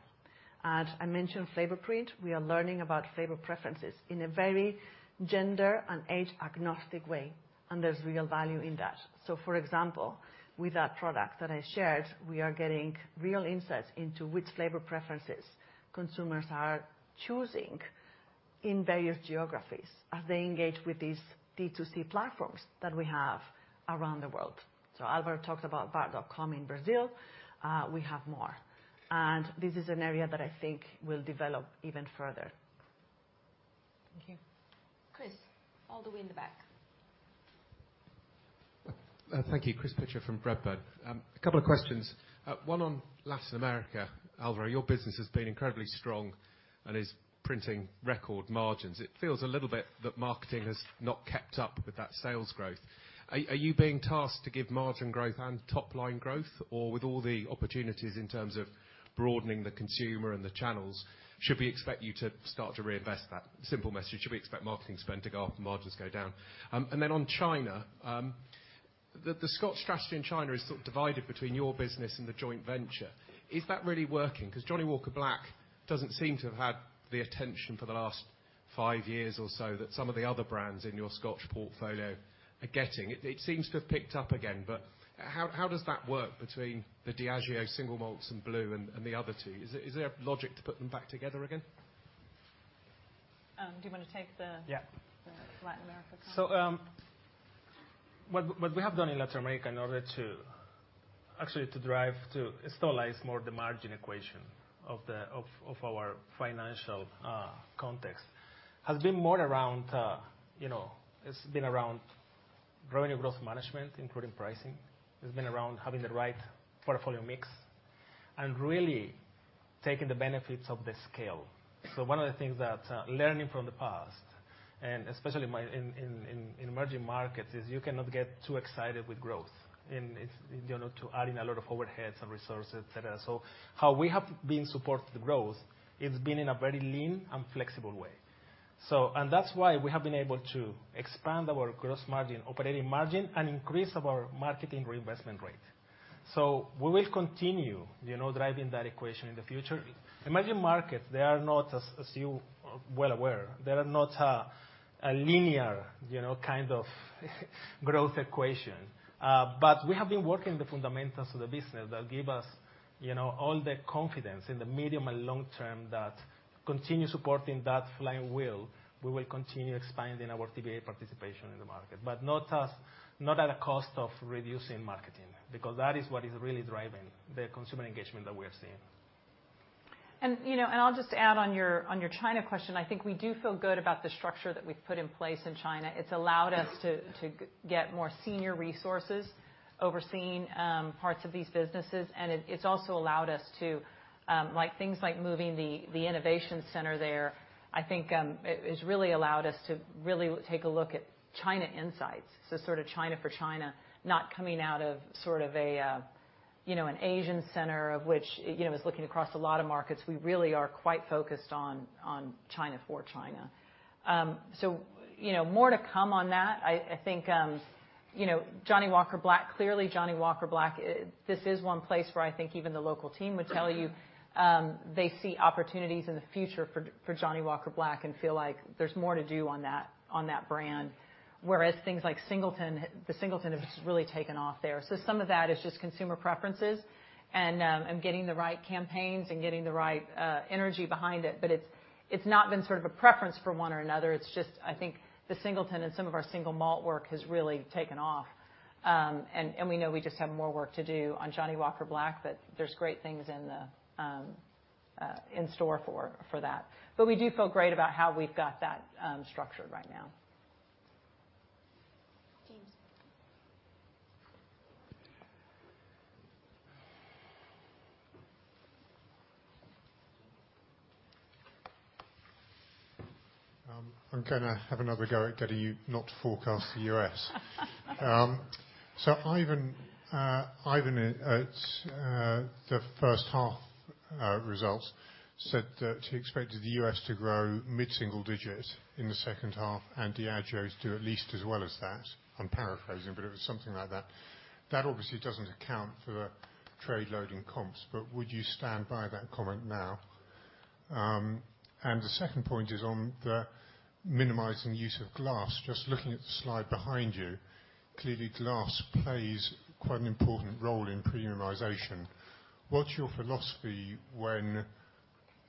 Speaker 2: I mentioned FlavorPrint. We are learning about flavor preferences in a very gender and age-agnostic way, and there's real value in that. For example, with that product that I shared, we are getting real insights into which flavor preferences consumers are choosing in various geographies as they engage with these D2C platforms that we have around the world. Alvaro talked about thebar.com in Brazil. We have more, and this is an area that I think will develop even further.
Speaker 1: Thank you. Chris, all the way in the back.
Speaker 14: Thank you. Chris Pitcher from Redburn. A couple of questions. One on Latin America. Alvaro, your business has been incredibly strong and is printing record margins. It feels a little bit that marketing has not kept up with that sales growth. Are you being tasked to give margin growth and top-line growth, or with all the opportunities in terms of broadening the consumer and the channels, should we expect you to start to reinvest that? Simple message, should we expect marketing spend to go up and margins go down? On China, the Scotch strategy in China is sort of divided between your business and the joint venture. Is that really working? Because Johnnie Walker Black doesn't seem to have had the attention for the last five years or so that some of the other brands in your Scotch portfolio are getting. It seems to have picked up again, but how does that work between the Diageo Single Malts and Blue and the other two? Is there logic to put them back together again?
Speaker 1: Do you want to take the-
Speaker 3: Yeah.
Speaker 1: The Latin America comment?
Speaker 3: What we have done in Latin America in order to actually to drive to stabilize more the margin equation of our financial context, has been more around, you know, it's been around growing our growth management, including pricing. It's been around having the right portfolio mix and really taking the benefits of the scale. One of the things that, learning from the past, and especially in emerging markets, is you cannot get too excited with growth, and it's, you know, adding a lot of overheads and resources, et cetera. How we have been supporting the growth, it's been in a very lean and flexible way. And that's why we have been able to expand our gross margin, operating margin, and increase our marketing reinvestment rate. We will continue, you know, driving that equation in the future. Emerging markets, they are not, as you are well aware, they are not a linear, you know, kind of growth equation. We have been working the fundamentals of the business that give us, you know, all the confidence in the medium and long term that continue supporting that flying wheel, we will continue expanding our TBA participation in the market, but not as, not at a cost of reducing marketing, because that is what is really driving the consumer engagement that we are seeing.
Speaker 1: You know, I'll just add on your, on your China question, I think we do feel good about the structure that we've put in place in China. It's allowed us to get more senior resources overseeing parts of these businesses, and it's also allowed us to, like, things like moving the innovation center there, I think, it's really allowed us to really take a look at China insights. Sort of China for China, not coming out of sort of a, you know, an Asian center, of which, you know, is looking across a lot of markets. We really are quite focused on China for China. You know, more to come on that. I think, you know, Johnnie Walker Black, clearly, Johnnie Walker Black, this is one place where I think even the local team would tell you, they see opportunities in the future for Johnnie Walker Black and feel like there's more to do on that brand. Whereas things like The Singleton has just really taken off there. Some of that is just consumer preferences and getting the right campaigns and getting the right energy behind it, but it's not been sort of a preference for one or another. It's just, I think The Singleton and some of our single malt work has really taken off. We know we just have more work to do on Johnnie Walker Black, but there's great things in store for that. We do feel great about how we've got that, structured right now.
Speaker 2: James.
Speaker 15: I'm gonna have another go at getting you not to forecast the U.S. Ivan, at the first half results, said that he expected the U.S. to grow mid-single digit in the second half, and Diageo to do at least as well as that. I'm paraphrasing, it was something like that. That obviously doesn't account for the trade loading comps, would you stand by that comment now? The second point is on the minimizing use of glass. Just looking at the slide behind you, clearly, glass plays quite an important role in premiumization. What's your philosophy when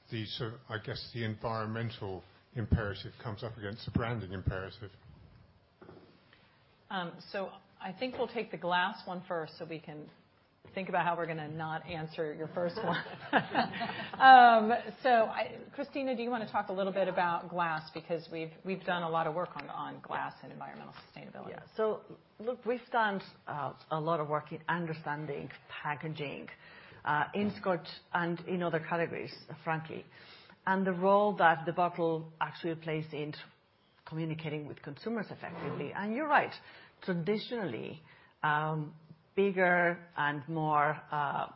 Speaker 15: the sort of, I guess, the environmental imperative comes up against the branding imperative?
Speaker 1: I think we'll take the glass one first, so we can think about how we're gonna not answer your first one. Cristina, do you wanna talk a little bit about glass? Because we've done a lot of work on glass and environmental sustainability.
Speaker 2: Look, we've done a lot of work in understanding packaging in Scotch and in other categories, frankly, and the role that the bottle actually plays in communicating with consumers effectively. And you're right. Traditionally, bigger and more, I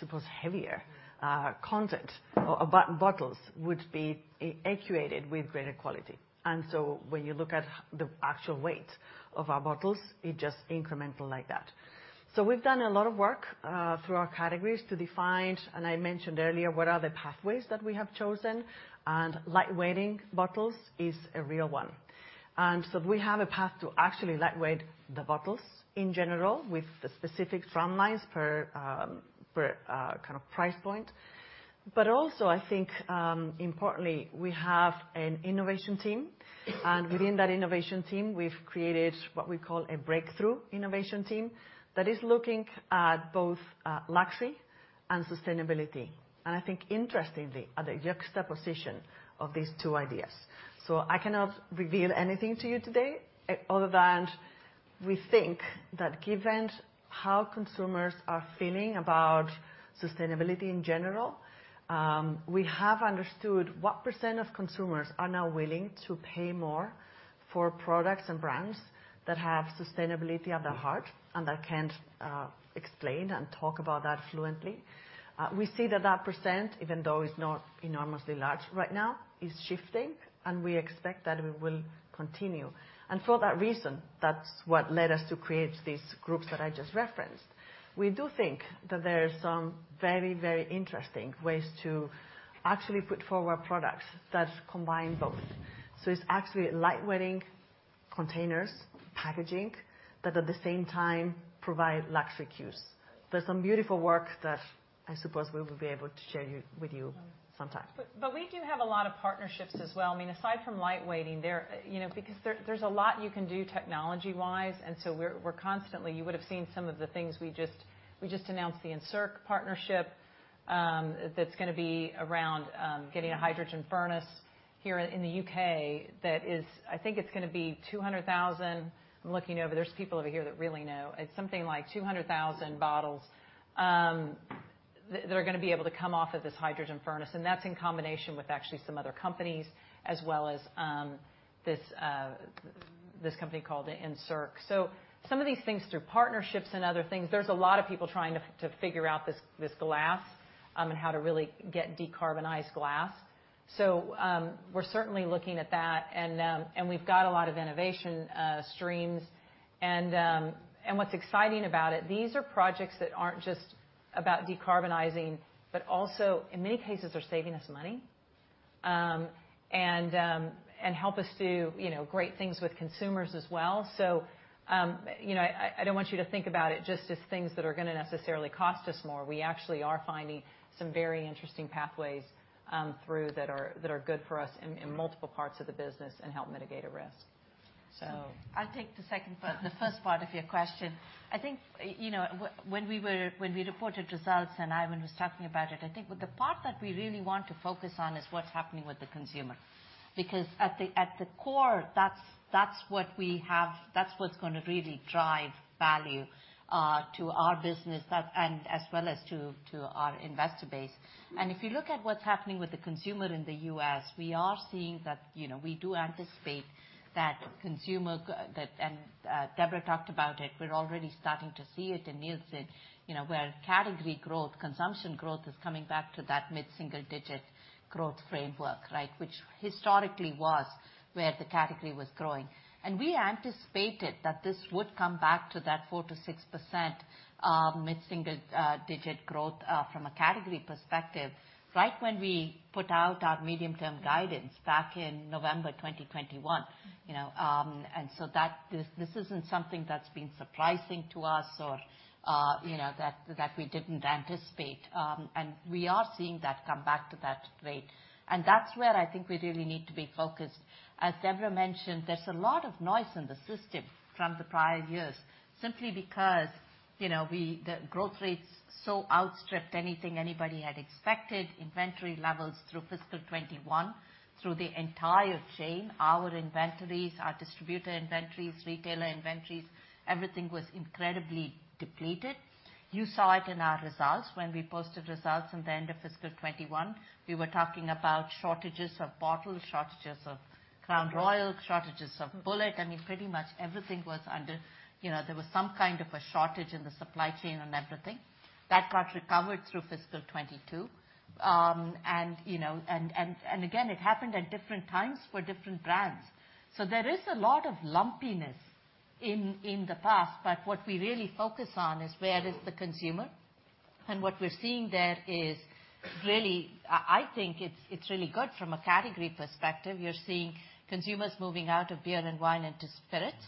Speaker 2: suppose, heavier, content or bottles would be equated with greater quality. When you look at the actual weight of our bottles, it just incremental like that. We've done a lot of work through our categories to define, and I mentioned earlier, what are the pathways that we have chosen, and lightweighting bottles is a real one. We have a path to actually lightweight the bottles in general, with the specific front lines per, kind of price point. Also, I think, importantly, we have an innovation team, and within that innovation team, we've created what we call a breakthrough innovation team that is looking at both luxury and sustainability, and I think interestingly, at the juxtaposition of these two ideas. I cannot reveal anything to you today, other than we think that given how consumers are feeling about sustainability in general, we have understood what % of consumers are now willing to pay more for products and brands that have sustainability at their heart, and that can explain and talk about that fluently. We see that that %, even though it's not enormously large right now, is shifting, and we expect that it will continue. For that reason, that's what led us to create these groups that I just referenced. We do think that there are some very, very interesting ways to actually put forward products that combine both. It's actually lightweighting containers, packaging, but at the same time provide luxury cues. There's some beautiful work that I suppose we will be able to share with you sometime.
Speaker 1: We do have a lot of partnerships as well. I mean, aside from lightweighting, there, you know, because there's a lot you can do technology-wise, we're constantly. You would have seen some of the things we just announced, the Encirc partnership, that's gonna be around getting a hydrogen furnace here in the UK. That is, I think it's gonna be 200,000. I'm looking over. There's people over here that really know. It's something like 200,000 bottles that are gonna be able to come off of this hydrogen furnace, and that's in combination with actually some other companies, as well as this company called Encirc. Some of these things through partnerships and other things, there's a lot of people trying to figure out this glass, and how to really get decarbonized glass. We're certainly looking at that, and we've got a lot of innovation streams. What's exciting about it, these are projects that aren't just about decarbonizing, but also, in many cases, are saving us money. And help us do, you know, great things with consumers as well. You know, I don't want you to think about it just as things that are gonna necessarily cost us more. We actually are finding some very interesting pathways through that are good for us in multiple parts of the business and help mitigate a risk.
Speaker 7: I'll take the second part, the first part of your question. I think, you know, when we reported results, and Ivan was talking about it, I think the part that we really want to focus on is what's happening with the consumer. Because at the core, that's what we have, that's what's gonna really drive value to our business that... and as well as to our investor base. If you look at what's happening with the consumer in the US, we are seeing that, you know, we do anticipate that consumer, that, and Debra talked about it, we're already starting to see it in Nielsen, you know, where category growth, consumption growth is coming back to that mid-single digit growth framework, right? Which historically was where the category was growing. We anticipated that this would come back to that 4%-6% mid-single digit growth from a category perspective, right when we put out our medium-term guidance back in November 2021, you know. This isn't something that's been surprising to us or, you know, that we didn't anticipate. We are seeing that come back to that rate, and that's where I think we really need to be focused. As Debra mentioned, there's a lot of noise in the system from the prior years simply because, you know, the growth rates so outstripped anything anybody had expected, inventory levels through fiscal 2021, through the entire chain, our inventories, our distributor inventories, retailer inventories, everything was incredibly depleted. You saw it in our results. When we posted results in the end of fiscal 2021, we were talking about shortages of bottles, shortages of Crown Royal, shortages of Bulleit. I mean, pretty much everything was. You know, there was some kind of a shortage in the supply chain and everything. That got recovered through fiscal 2022. You know, and again, it happened at different times for different brands. There is a lot of lumpiness in the past, but what we really focus on is where is the consumer? What we're seeing there is really, I think it's really good from a category perspective. You're seeing consumers moving out of beer and wine into spirits.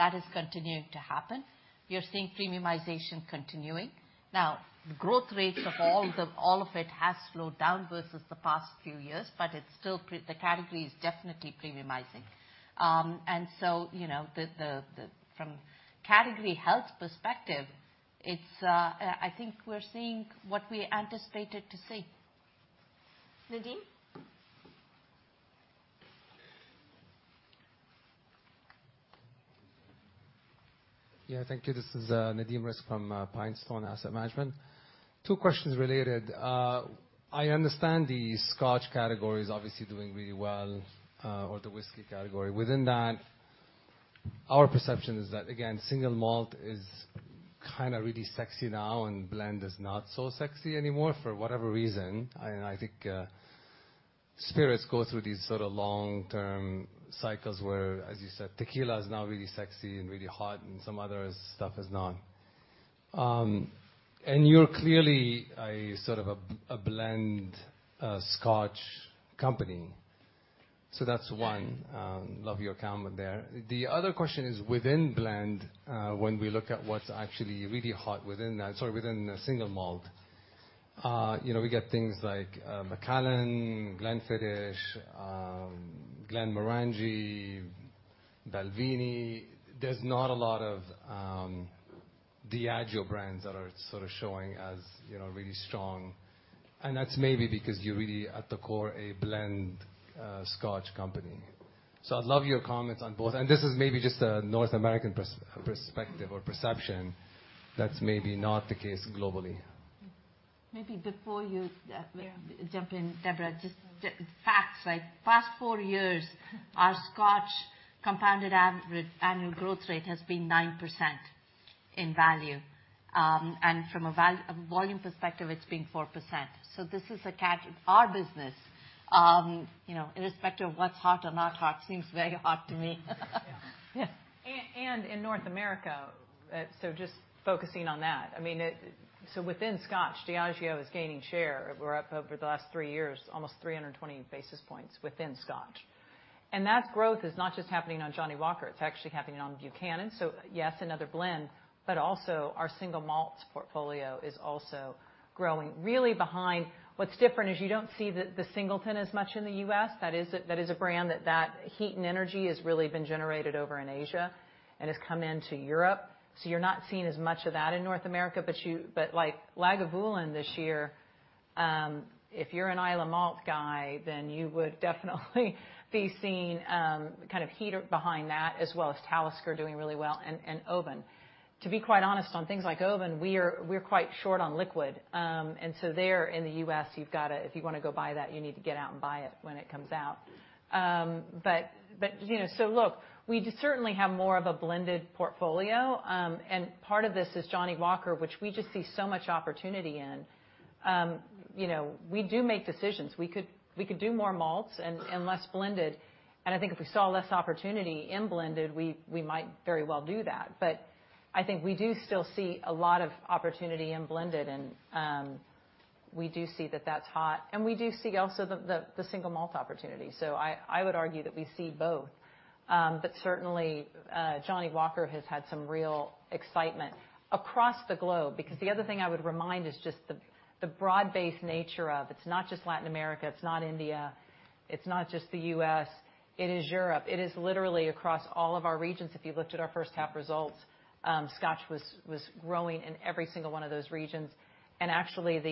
Speaker 7: That is continuing to happen. You're seeing premiumization continuing. The growth rates of all of it has slowed down versus the past few years, but it's still the category is definitely premiumizing. You know, the from category health perspective, it's, I think we're seeing what we anticipated to see. Nadim?
Speaker 16: Thank you. This is Nadim Rizk from PineStone Asset Management. Two questions related. I understand the Scotch category is obviously doing really well, or the whiskey category. Within that, our perception is that, again, single malt is kind of really sexy now, and blend is not so sexy anymore, for whatever reason. I think spirits go through these sort of long-term cycles where, as you said, tequila is now really sexy and really hot, and some other stuff is not. You're clearly a sort of a blend Scotch company. That's one.
Speaker 7: Yeah.
Speaker 16: Love your comment there. The other question is, within blend, when we look at what's actually really hot Sorry, within the single malt, you know, we get things like The Macallan, Glenfiddich, Glenmorangie, Balvenie. There's not a lot of Diageo brands that are sort of showing as, you know, really strong, and that's maybe because you're really, at the core, a blend Scotch company. I'd love your comments on both, and this is maybe just a North American perspective or perception that's maybe not the case globally.
Speaker 7: Maybe before you jump in, Debra, just facts, like past four years, our Scotch compounded average annual growth rate has been 9% in value. From a volume perspective, it's been 4%. Our business, you know, irrespective of what's hot or not hot, seems very hot to me. Yeah.
Speaker 1: In North America, so just focusing on that, within Scotch, Diageo is gaining share. We're up over the last three years, almost 320 basis points within Scotch. That growth is not just happening on Johnnie Walker, it's actually happening on Buchanan. Yes, another blend, but also our single malt portfolio is also growing. Really behind, what's different is you don't see the Singleton as much in the US. That is a brand that heat and energy has really been generated over in Asia and has come into Europe. You're not seeing as much of that in North America, but, like, Lagavulin this year, if you're an Islay malt guy, then you would definitely be seeing kind of heat behind that, as well as Talisker doing really well, and Oban. To be quite honest, on things like Oban, we are, we're quite short on liquid. There in the US, if you want to go buy that, you need to get out and buy it when it comes out. But, you know, look, we certainly have more of a blended portfolio, and part of this is Johnnie Walker, which we just see so much opportunity in. You know, we do make decisions. We could do more malts and less blended, and I think if we saw less opportunity in blended, we might very well do that. I think we do still see a lot of opportunity in blended, and we do see that that's hot, and we do see also the single malt opportunity. I would argue that we see both. Certainly, Johnnie Walker has had some real excitement across the globe, because the other thing I would remind is just the broad-based nature of it. It's not just Latin America, it's not India, it's not just the U.S., it is Europe. It is literally across all of our regions. If you looked at our first half results, Scotch was growing in every single one of those regions. Actually, the,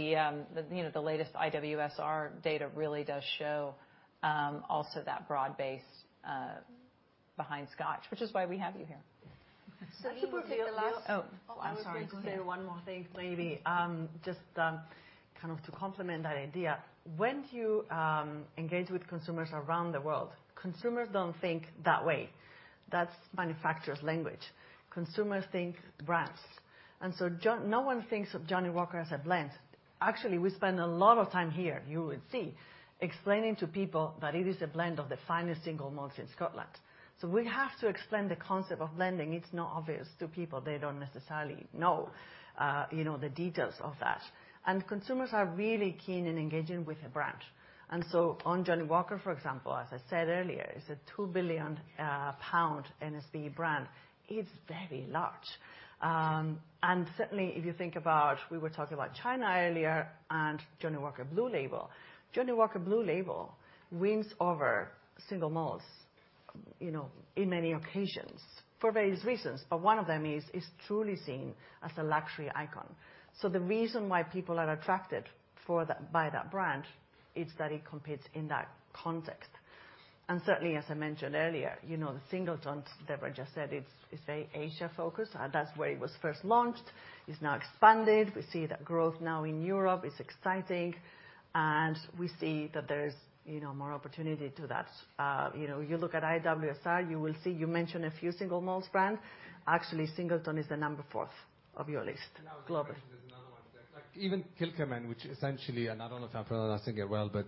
Speaker 1: you know, the latest IWSR data really does show, also that broad base, behind Scotch, which is why we have you here.
Speaker 7: You were the last. Oh, I'm sorry. Go ahead.
Speaker 2: I was going to say one more thing, maybe, just kind of to complement that idea. When you engage with consumers around the world, consumers don't think that way. That's manufacturer's language. Consumers think brands. No one thinks of Johnnie Walker as a blend. Actually, we spend a lot of time here, you will see, explaining to people that it is a blend of the finest single malts in Scotland. We have to explain the concept of blending. It's not obvious to people. They don't necessarily know, you know, the details of that. Consumers are really keen in engaging with a brand. On Johnnie Walker, for example, as I said earlier, it's a 2 billion pound NSV brand. It's very large. Certainly, if you think about... We were talking about China earlier and Johnnie Walker Blue Label. Johnnie Walker Blue Label wins over single malts, you know, in many occasions, for various reasons, but one of them is, it's truly seen as a luxury icon. The reason why people are attracted for that, by that brand, is that it competes in that context. Certainly, as I mentioned earlier, you know, the Singleton, Debra just said, it's an Asia focus. That's where it was first launched. It's now expanded. We see that growth now in Europe. It's exciting, and we see that there is, you know, more opportunity to that. You know, you look at IWSR, you will see, you mentioned a few single malts brand. Actually, Singleton is the number fourth of your list, globally.
Speaker 16: ...like even Kilchoman, which essentially, and I don't know if I'm pronouncing it well, but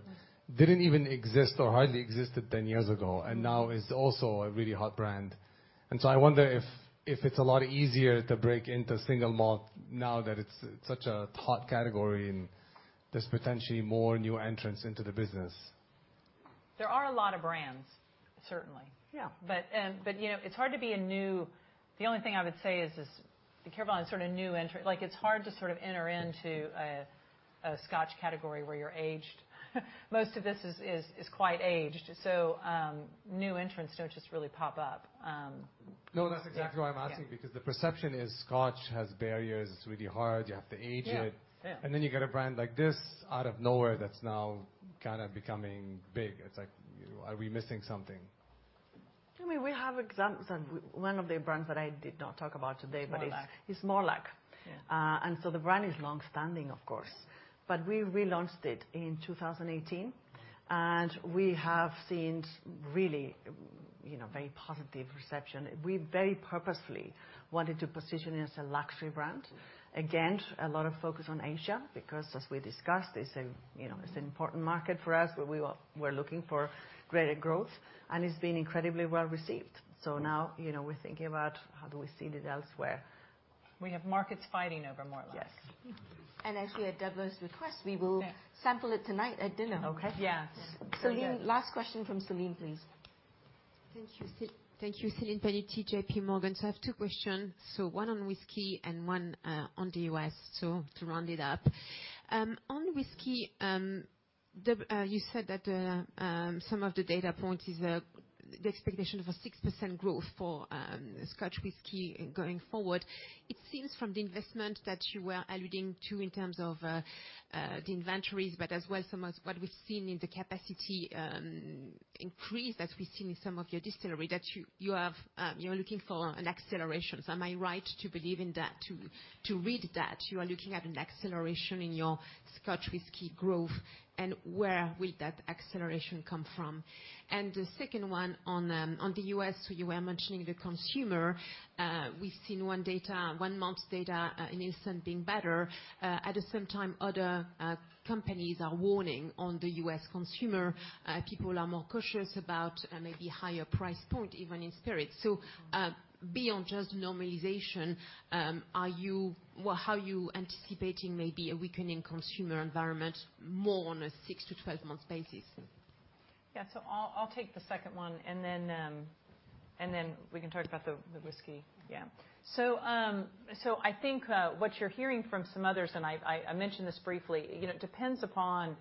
Speaker 16: didn't even exist or hardly existed 10 years ago, and now is also a really hot brand. I wonder if it's a lot easier to break into single malt now that it's such a hot category, and there's potentially more new entrants into the business.
Speaker 1: There are a lot of brands, certainly.
Speaker 7: Yeah.
Speaker 1: You know, it's hard to be new. The only thing I would say is be careful on sort of new entry. Like, it's hard to sort of enter into a scotch category where you're aged. Most of this is quite aged, so new entrants don't just really pop up.
Speaker 16: No, that's exactly why I'm asking, because the perception is Scotch has barriers, it's really hard, you have to age it.
Speaker 1: Yeah. Yeah.
Speaker 16: You get a brand like this out of nowhere that's now kind of becoming big. It's like, are we missing something?
Speaker 7: I mean, we have examples, and one of the brands that I did not talk about today, but.
Speaker 1: Mortlach.
Speaker 7: Is Mortlach.
Speaker 1: Yeah.
Speaker 7: The brand is long-standing, of course, but we relaunched it in 2018, and we have seen really, you know, very positive perception. We very purposefully wanted to position it as a luxury brand. A lot of focus on Asia, because, as we discussed, it's a, you know, it's an important market for us, where we're looking for greater growth, and it's been incredibly well received. Now, you know, we're thinking about how do we see it elsewhere.
Speaker 1: We have markets fighting over Mortlach.
Speaker 7: Yes.
Speaker 2: As we had Debra's request.
Speaker 1: Yeah.
Speaker 2: Sample it tonight at dinner.
Speaker 1: Okay.
Speaker 7: Yes.
Speaker 2: Celine, last question from Celine, please.
Speaker 17: Thank you. Thank you. Celine Pannuti, JPMorgan. I have two questions, one on whisky and one on the U.S., to round it up. On whisky, Deb, you said that some of the data point is the expectation of a 6% growth for Scotch whisky going forward. It seems from the investment that you were alluding to in terms of the inventories, but as well as some of what we've seen in the capacity increase, that we've seen in some of your distillery, that you have, you are looking for an acceleration. Am I right to believe in that, to read that you are looking at an acceleration in your Scotch whisky growth, and where will that acceleration come from? The second one on the US, you were mentioning the consumer. We've seen one data, one month data, in instant being better, at the same time, other companies are warning on the US consumer. People are more cautious about maybe higher price point, even in spirit. Beyond just normalization, how are you anticipating maybe a weakening consumer environment more on a 6-12 month basis?
Speaker 1: I'll take the second one, and then we can talk about the whiskey. I think what you're hearing from some others, and I mentioned this briefly, you know, it depends upon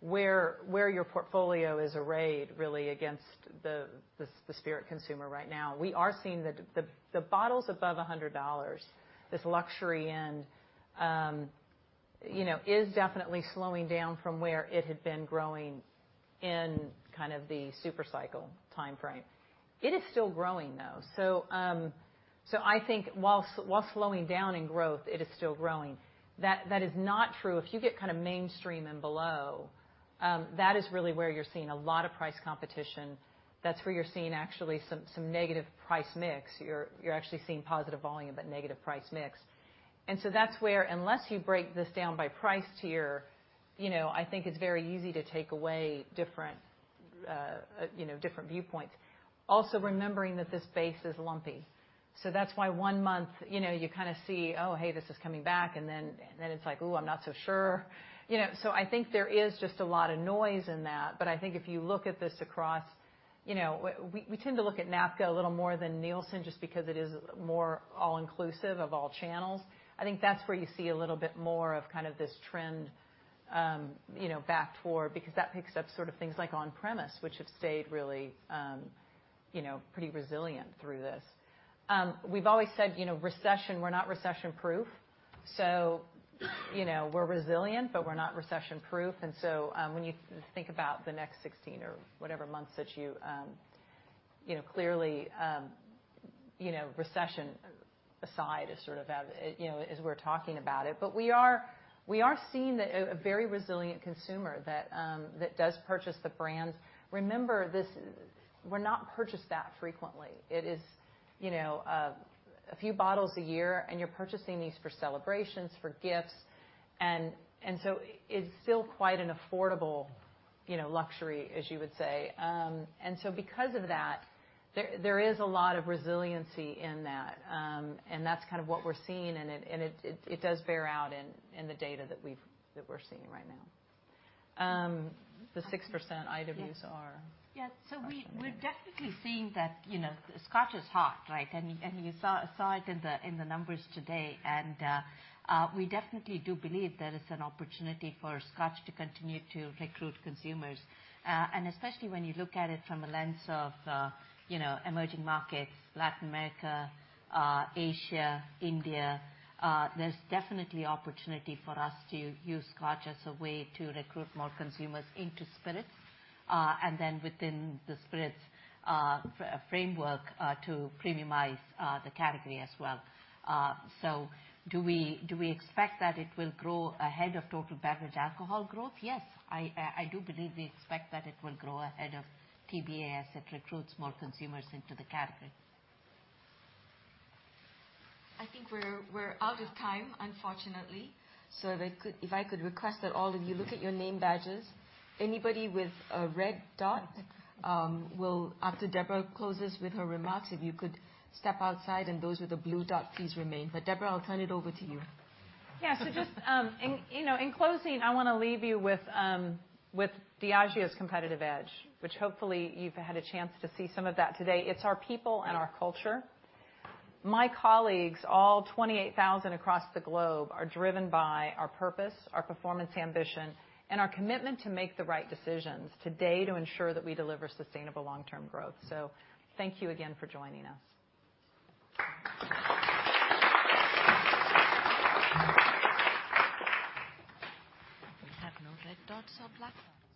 Speaker 1: where your portfolio is arrayed, really, against the spirit consumer right now. We are seeing the bottles above $100, this luxury end, you know, is definitely slowing down from where it had been growing in kind of the super cycle timeframe. It is still growing, though. I think while slowing down in growth, it is still growing. That is not true. If you get kind of mainstream and below, that is really where you're seeing a lot of price competition. That's where you're seeing actually some negative price mix. You're actually seeing positive volume, but negative price mix. That's where, unless you break this down by price tier, you know, I think it's very easy to take away different, you know, different viewpoints. Also, remembering that this base is lumpy. That's why one month, you know, you kind of see, oh, hey, this is coming back, and then it's like, oh, I'm not so sure. You know, I think there is just a lot of noise in that, but I think if you look at this across... You know, we tend to look at NABCA a little more than Nielsen, just because it is more all-inclusive of all channels. I think that's where you see a little bit more of kind of this trend, you know, back and forth, because that picks up sort of things like on-premise, which have stayed really, you know, pretty resilient through this. We've always said, you know, recession, we're not recession-proof. You know, we're resilient, but we're not recession-proof. When you think about the next 16 or whatever months that you know, clearly, you know, recession aside is sort of at, you know, as we're talking about it. We are seeing that a very resilient consumer that does purchase the brands. Remember, this, we're not purchase that frequently. It is, you know, a few bottles a year, and you're purchasing these for celebrations, for gifts, and so it's still quite an affordable, you know, luxury, as you would say. Because of that, there is a lot of resiliency in that, and that's kind of what we're seeing, and it does bear out in the data that we're seeing right now. The 6% IWSR.
Speaker 7: Yeah.
Speaker 1: Yeah.
Speaker 7: We're definitely seeing that, you know, Scotch is hot, right? You saw it in the numbers today. We definitely do believe there is an opportunity for Scotch to continue to recruit consumers. Especially when you look at it from a lens of, you know, emerging markets, Latin America, Asia, India, there's definitely opportunity for us to use Scotch as a way to recruit more consumers into spirits, and then within the spirits framework, to premiumize the category as well. Do we expect that it will grow ahead of total beverage alcohol growth? Yes, I do believe we expect that it will grow ahead of TBA as it recruits more consumers into the category.
Speaker 2: I think we're out of time, unfortunately. If I could request that all of you look at your name badges. Anybody with a red dot will. After Debra closes with her remarks, if you could step outside, and those with a blue dot, please remain. Debra, I'll turn it over to you.
Speaker 1: Yeah. Just, you know, in closing, I want to leave you with Diageo's competitive edge, which hopefully you've had a chance to see some of that today. It's our people and our culture. My colleagues, all 28,000 across the globe, are driven by our purpose, our performance ambition, and our commitment to make the right decisions today to ensure that we deliver sustainable long-term growth. Thank you again for joining us.
Speaker 2: We have no red dots up left.